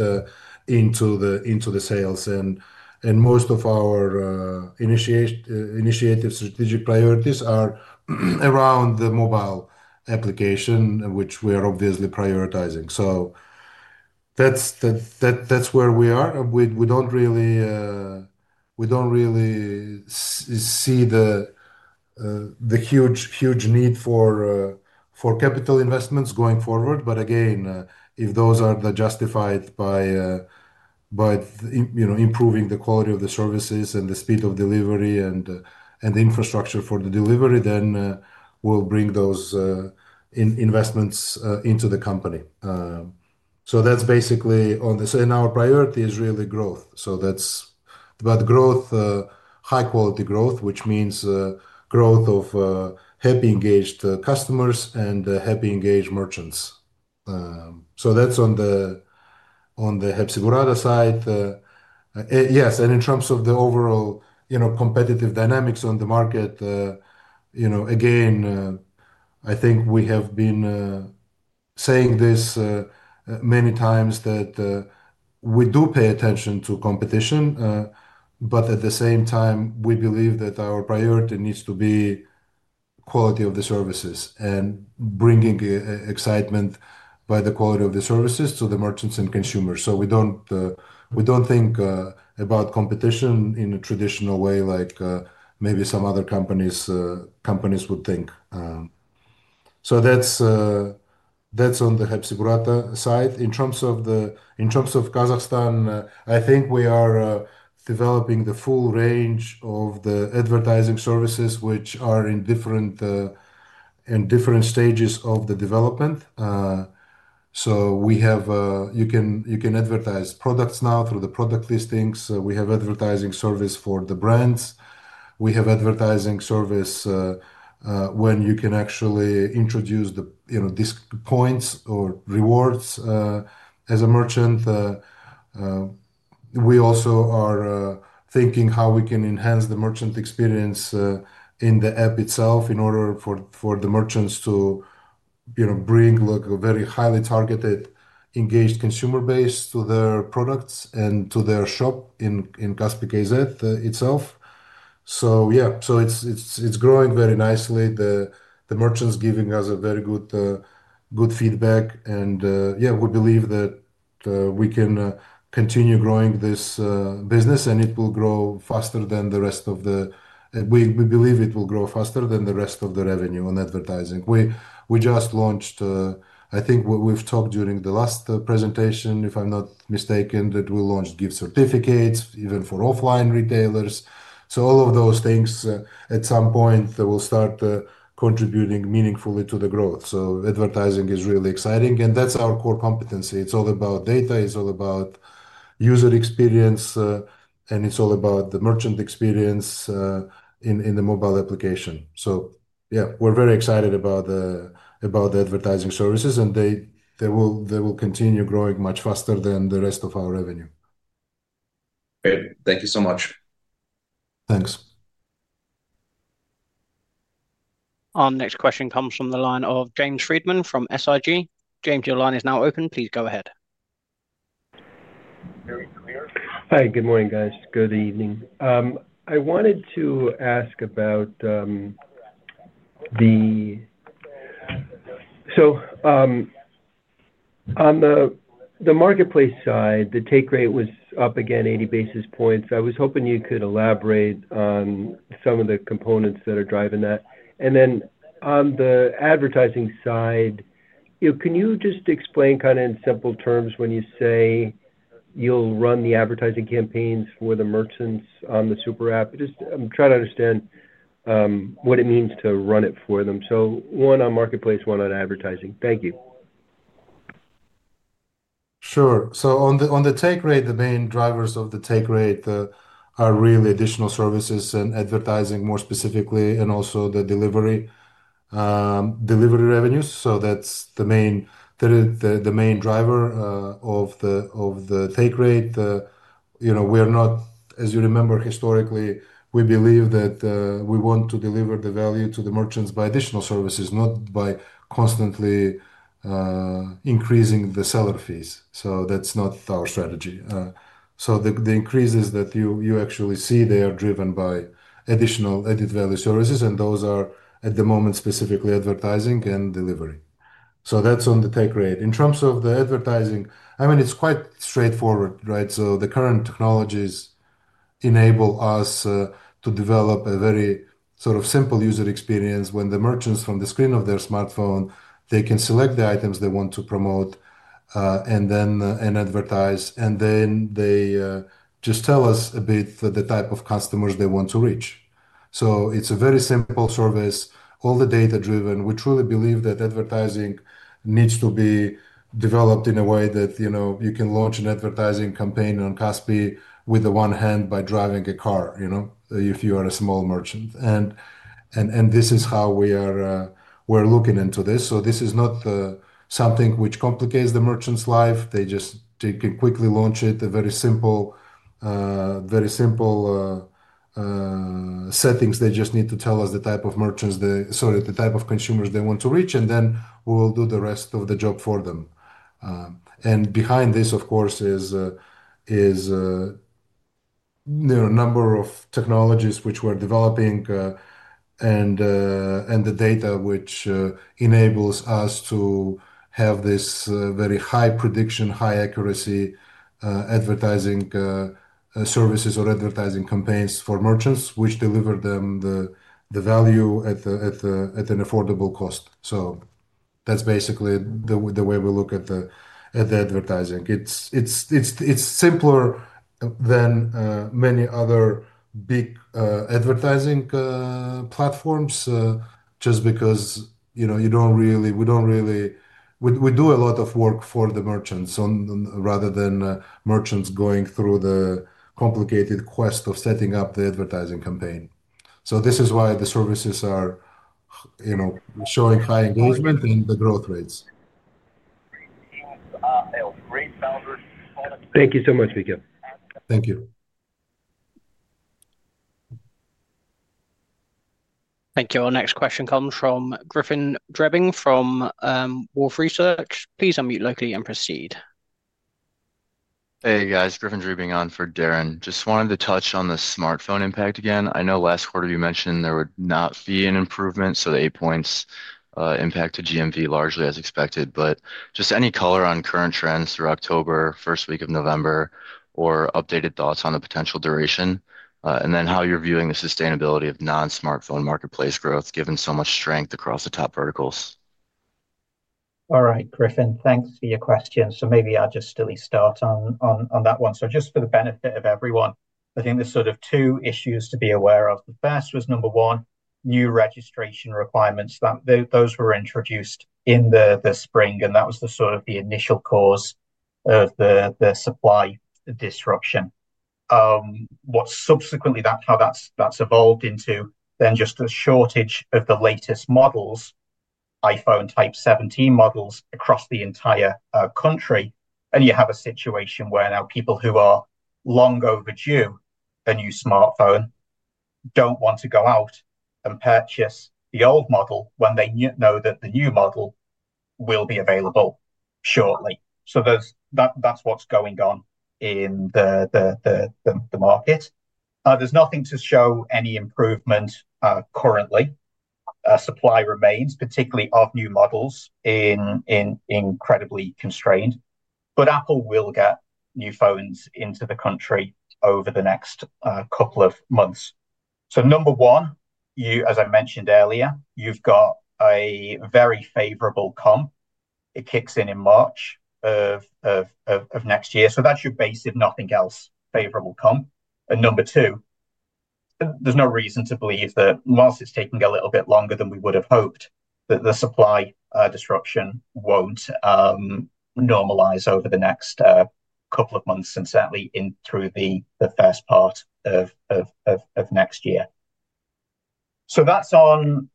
into the sales. Most of our initiative strategic priorities are around the mobile application, which we are obviously prioritizing. That is where we are. We do not really see the huge need for capital investments going forward. Again, if those are justified by improving the quality of the services and the speed of delivery and the infrastructure for the delivery, then we will bring those investments into the company. That's basically on the, so in our priority is really growth. That's about growth, high-quality growth, which means growth of happy engaged customers and happy engaged merchants. That's on the Hepsiburada side. Yes. In terms of the overall competitive dynamics on the market, again, I think we have been saying this many times that we do pay attention to competition, but at the same time, we believe that our priority needs to be quality of the services and bringing excitement by the quality of the services to the merchants and consumers. We do not think about competition in a traditional way like maybe some other companies would think. That's on the Hepsiburada side. In terms of Kazakhstan, I think we are developing the full range of the advertising services, which are in different stages of the development. You can advertise products now through the product listings. We have advertising service for the brands. We have Advertising Service when you can actually introduce these points or rewards as a merchant. We also are thinking how we can enhance the merchant experience in the app itself in order for the merchants to bring a very highly targeted, engaged consumer base to their products and to their shop in Kaspi.kz itself. Yeah, it is growing very nicely. The merchants are giving us very good feedback. Yeah, we believe that we can continue growing this business, and it will grow faster than the rest of the, we believe it will grow faster than the rest of the revenue on advertising. We just launched, I think we have talked during the last presentation, if I am not mistaken, that we launched gift certificates even for offline retailers. All of those things at some point will start contributing meaningfully to the growth. Advertising is really exciting. That's our core competency. It's all about data. It's all about user experience. It's all about the merchant experience in the mobile application. Yeah, we're very excited about the advertising services, and they will continue growing much faster than the rest of our revenue. Great. Thank you so much. Thanks. Our next question comes from the line of James Friedman from SIG. James, your line is now open. Please go ahead. Hi, good morning, guys. Good evening. I wanted to ask about the, on the marketplace side, the take rate was up again, 80 basis points. I was hoping you could elaborate on some of the components that are driving that. And then on the advertising side, can you just explain kind of in simple terms when you say you'll run the advertising campaigns for the merchants on the super app? I'm trying to understand what it means to run it for them. One on marketplace, one on advertising. Thank you. Sure. On the take rate, the main drivers of the take rate are really additional services and advertising more specifically, and also the delivery revenues. That is the main driver of the take rate. We are not, as you remember, historically, we believe that we want to deliver the value to the merchants by additional services, not by constantly increasing the seller fees. That is not our strategy. The increases that you actually see, they are driven by additional added value services, and those are at the moment specifically advertising and delivery. That is on the take rate. In terms of the advertising, I mean, it is quite straightforward, right? The current technologies enable us to develop a very sort of simple user experience when the merchants, from the screen of their smartphone, can select the items they want to promote and then advertise, and then they just tell us a bit the type of customers they want to reach. It is a very simple service, all data-driven. We truly believe that advertising needs to be developed in a way that you can launch an advertising campaign on Kaspi with one hand by driving a car if you are a small merchant. This is how we are looking into this. This is not something which complicates the merchant's life. They can quickly launch it, very simple settings. They just need to tell us the type of merchants, sorry, the type of consumers they want to reach, and then we will do the rest of the job for them. Behind this, of course, is a number of technologies which we're developing and the data which enables us to have this very high prediction, high accuracy advertising services or advertising campaigns for merchants which deliver them the value at an affordable cost. That is basically the way we look at the advertising. It's simpler than many other big advertising platforms just because we do not really do a lot of work for the merchants rather than merchants going through the complicated quest of setting up the advertising campaign. This is why the services are showing high engagement and the growth rates. Thank you so much, Mikheil. Thank you. Thank you. Our next question comes from Griffen Drebing from Wolfe Research. Please unmute locally and proceed. Hey, guys. Griffen Drebing on for Darrin. Just wanted to touch on the smartphone impact again. I know last quarter you mentioned there would not be an improvement, so the eight points impacted GMV largely as expected. Just any color on current trends through October, first week of November, or updated thoughts on the potential duration, and then how you're viewing the sustainability of non-smartphone marketplace growth given so much strength across the top verticals. All right, Griffen, thanks for your question. Maybe I'll just still start on that one. Just for the benefit of everyone, I think there's sort of two issues to be aware of. The first was number one, new registration requirements. Those were introduced in the spring, and that was sort of the initial cause of the supply disruption. What subsequently that's evolved into then just a shortage of the latest models, iPhone type 17 models across the entire country. You have a situation where now people who are long overdue a new smartphone do not want to go out and purchase the old model when they know that the new model will be available shortly. That is what is going on in the market. There is nothing to show any improvement currently. Supply remains, particularly of new models, incredibly constrained. Apple will get new phones into the country over the next couple of months. Number one, as I mentioned earlier, you have got a very favorable comp. It kicks in in March of next year. That is your base, if nothing else, favorable comp. Number two, there is no reason to believe that whilst it is taking a little bit longer than we would have hoped, the supply disruption will not normalize over the next couple of months and certainly through the first part of next year. That is on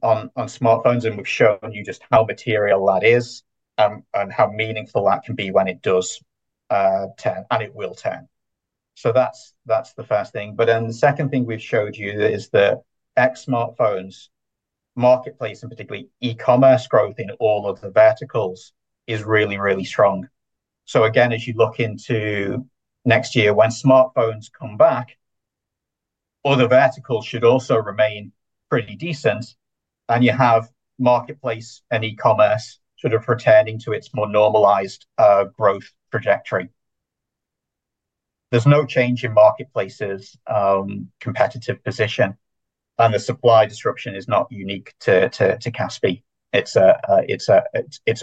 smartphones, and we have shown you just how material that is and how meaningful that can be when it does turn, and it will turn. That is the first thing. The second thing we have showed you is that excluding smartphones, marketplace and particularly e-Commerce growth in all of the verticals is really, really strong. Again, as you look into next year when smartphones come back, other verticals should also remain pretty decent, and you have marketplace and e-Commerce sort of returning to its more normalized growth trajectory. There is no change in marketplace's competitive position, and the supply disruption is not unique to Kaspi. It's a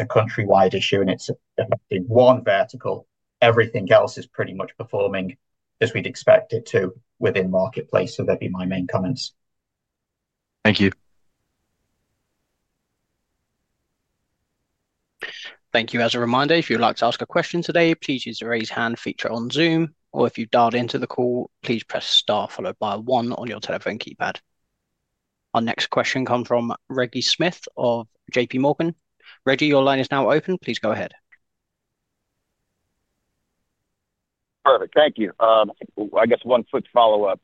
countrywide issue, and it's affecting one vertical. Everything else is pretty much performing as we'd expect it to within marketplace. That'd be my main comments. Thank you. Thank you. As a reminder, if you'd like to ask a question today, please use the raise hand feature on Zoom, or if you dialed into the call, please press star followed by one on your telephone keypad. Our next question comes from Reggie Smith of JPMorgan. Reggie, your line is now open. Please go ahead. Perfect. Thank you. I guess one quick follow-up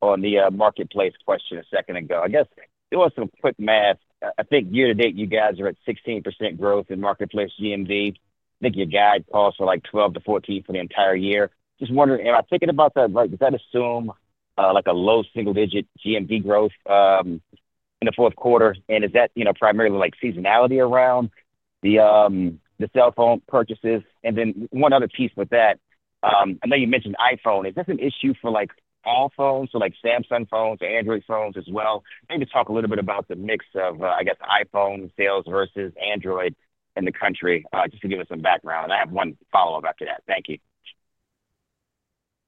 on the marketplace question a second ago. I guess it was some quick math. I think year to date, you guys are at 16% growth in marketplace GMV. I think your guide calls for like 12%-14% for the entire year. Just wondering, am I thinking about that? Does that assume a low single-digit GMV growth in the fourth quarter? Is that primarily seasonality around the cell phone purchases? One other piece with that, I know you mentioned iPhone. Is this an issue for all phones, so Samsung phones or Android phones as well? Maybe talk a little bit about the mix of, I guess, iPhone sales versus Android in the country just to give us some background. I have one follow-up after that. Thank you.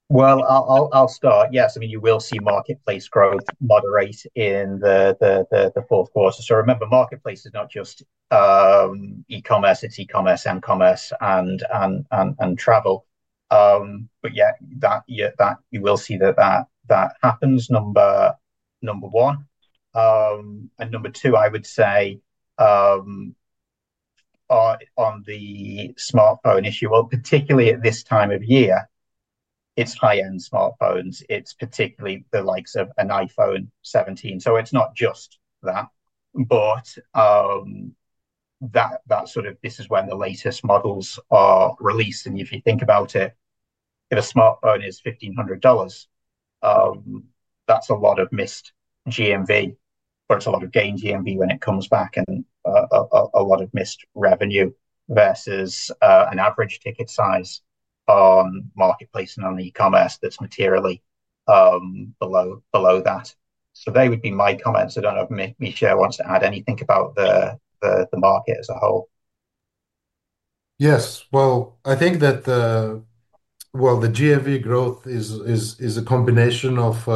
I will start. Yes. I mean, you will see marketplace growth moderate in the fourth quarter. Remember, marketplace is not just e-Commerce. It is e-Commerce and commerce and travel. You will see that that happens, number one. Number two, I would say on the smartphone issue, particularly at this time of year, it is high-end smartphones. It is particularly the likes of an iPhone 17. It's not just that, but that sort of this is when the latest models are released. If you think about it, if a smartphone is $1,500, that's a lot of missed GMV, but it's a lot of gained GMV when it comes back and a lot of missed revenue versus an average ticket size on marketplace and on e-Commerce that's materially below that. They would be my comments. I don't know if Mikheil wants to add anything about the market as a whole. Yes. I think that the GMV growth is a combination of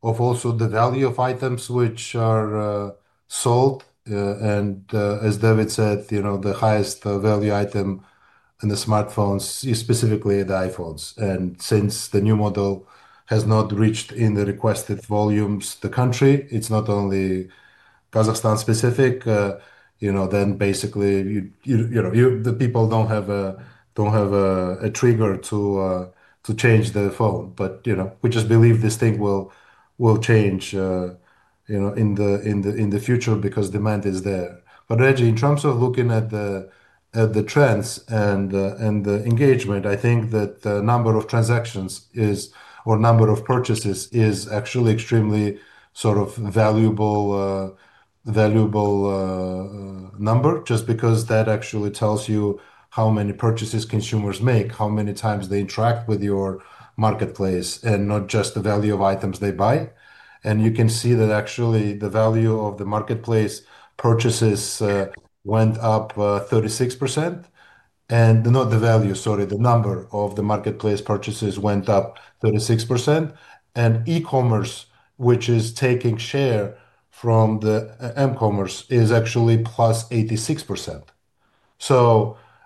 also the value of items which are sold. As David said, the highest value item in the smartphones is specifically the iPhones. Since the new model has not reached in the requested volumes the country, it's not only Kazakhstan specific, basically the people don't have a trigger to change the phone. We just believe this thing will change in the future because demand is there. Reggie, in terms of looking at the trends and the engagement, I think that the number of transactions or number of purchases is actually extremely sort of valuable number just because that actually tells you how many purchases consumers make, how many times they interact with your marketplace, and not just the value of items they buy. You can see that actually the value of the marketplace purchases went up 36%. Not the value, sorry, the number of the marketplace purchases went up 36%. E-Commerce, which is taking share from the m-Commerce, is actually +86%.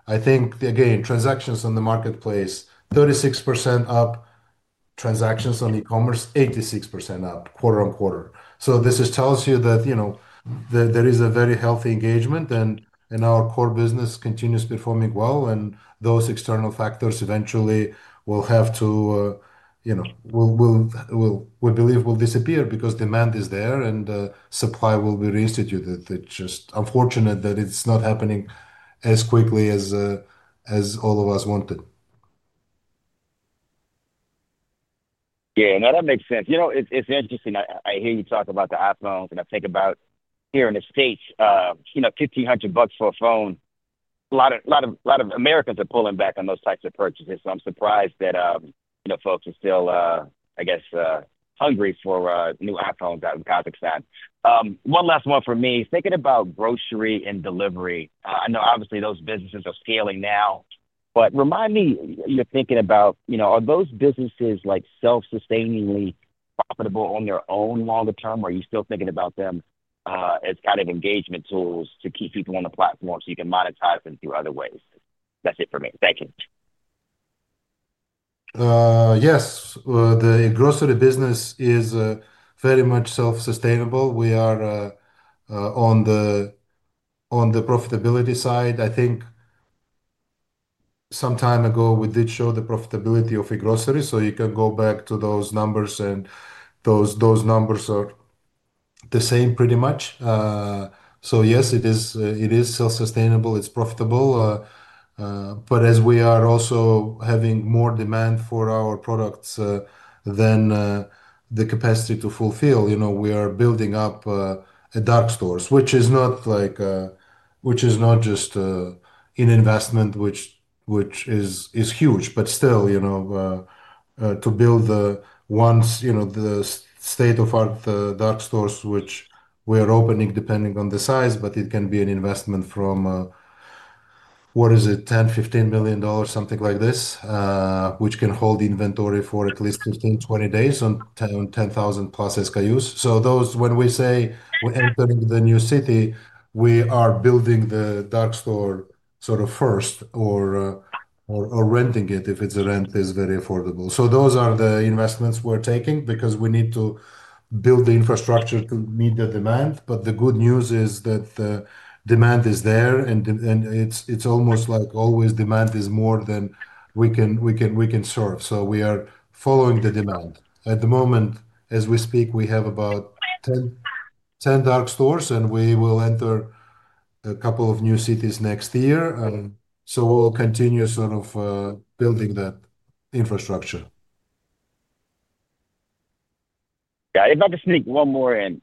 I think, again, transactions on the marketplace, 36% up, transactions on e-Commerce, 86% up, quarter on quarter. This tells you that there is a very healthy engagement, and our core business continues performing well, and those external factors eventually will have to, we believe, will disappear because demand is there and supply will be reinstituted. It's just unfortunate that it's not happening as quickly as all of us wanted. Yeah. No, that makes sense. It's interesting. I hear you talk about the iPhones, and I think about here in the States, $1,500 for a phone. A lot of Americans are pulling back on those types of purchases. I'm surprised that folks are still, I guess, hungry for new iPhones out in Kazakhstan. One last one for me. Thinking about grocery and delivery, I know obviously those businesses are scaling now, but remind me, thinking about, are those businesses self-sustainingly profitable on their own longer term, or are you still thinking about them as kind of engagement tools to keep people on the platform so you can monetize them through other ways? That's it for me. Thank you. Yes. The grocery business is very much self-sustainable. We are on the profitability side. I think some time ago, we did show the profitability of grocery. So you can go back to those numbers, and those numbers are the same pretty much. Yes, it is self-sustainable. It's profitable. As we are also having more demand for our products than the capacity to fulfill, we are building up dark stores, which is not just an investment, which is huge. But still, to build the state-of-the-art dark stores, which we are opening depending on the size, but it can be an investment from, what is it, $10 million-$15 million, something like this, which can hold inventory for at least 15-20 days on 10,000+ SKUs. When we say we're entering the new city, we are building the dark store sort of first or renting it if its rent is very affordable. Those are the investments we're taking because we need to build the infrastructure to meet the demand. The good news is that the demand is there, and it's almost like always demand is more than we can serve. We are following the demand. At the moment, as we speak, we have about 10 dark stores, and we will enter a couple of new cities next year. We'll continue sort of building that infrastructure. Yeah. If I could sneak one more in,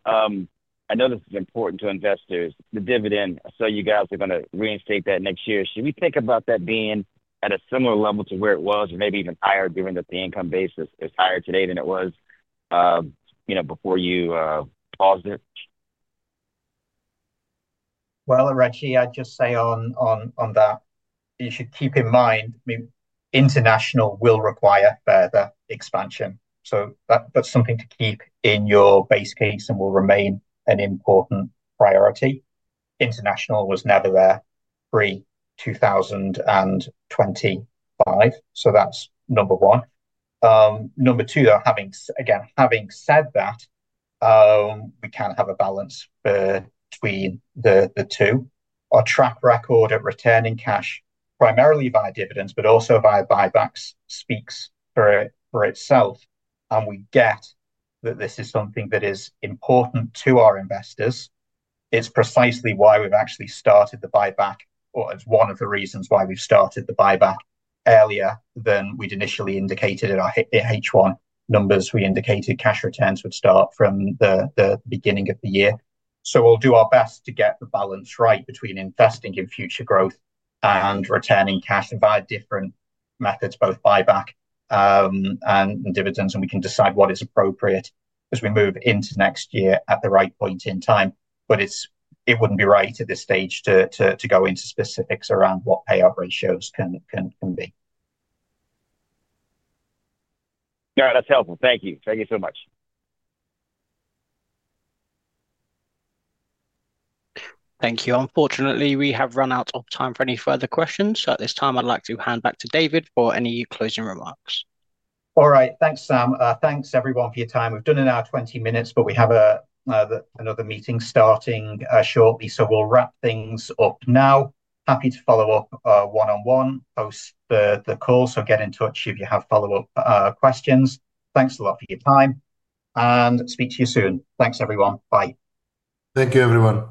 I know this is important to investors, the dividend. You guys are going to reinstate that next year. Should we think about that being at a similar level to where it was or maybe even higher given that the income base is higher today than it was before you paused it? Reggie, I'd just say on that, you should keep in mind international will require further expansion. That's something to keep in your base case and will remain an important priority. International was never there pre-2025. That's number one. Number two, though, again, having said that, we can have a balance between the two. Our track record at returning cash primarily via dividends, but also via buybacks speaks for itself. We get that this is something that is important to our investors. It is precisely why we have actually started the buyback or it is one of the reasons why we have started the buyback earlier than we had initially indicated in our H1 numbers. We indicated cash returns would start from the beginning of the year. We will do our best to get the balance right between investing in future growth and returning cash via different methods, both buyback and dividends, and we can decide what is appropriate as we move into next year at the right point in time. It would not be right at this stage to go into specifics around what payout ratios can be. All right. That is helpful. Thank you. Thank you so much. Thank you. Unfortunately, we have run out of time for any further questions. At this time, I'd like to hand back to David for any closing remarks. All right. Thanks, Sam. Thanks, everyone, for your time. We've done in our 20 minutes, but we have another meeting starting shortly. We'll wrap things up now. Happy to follow up one-on-one post the call. Get in touch if you have follow-up questions. Thanks a lot for your time. Speak to you soon. Thanks, everyone. Bye. Thank you, everyone.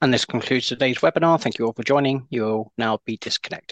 This concludes today's webinar. Thank you all for joining. You'll now be disconnected.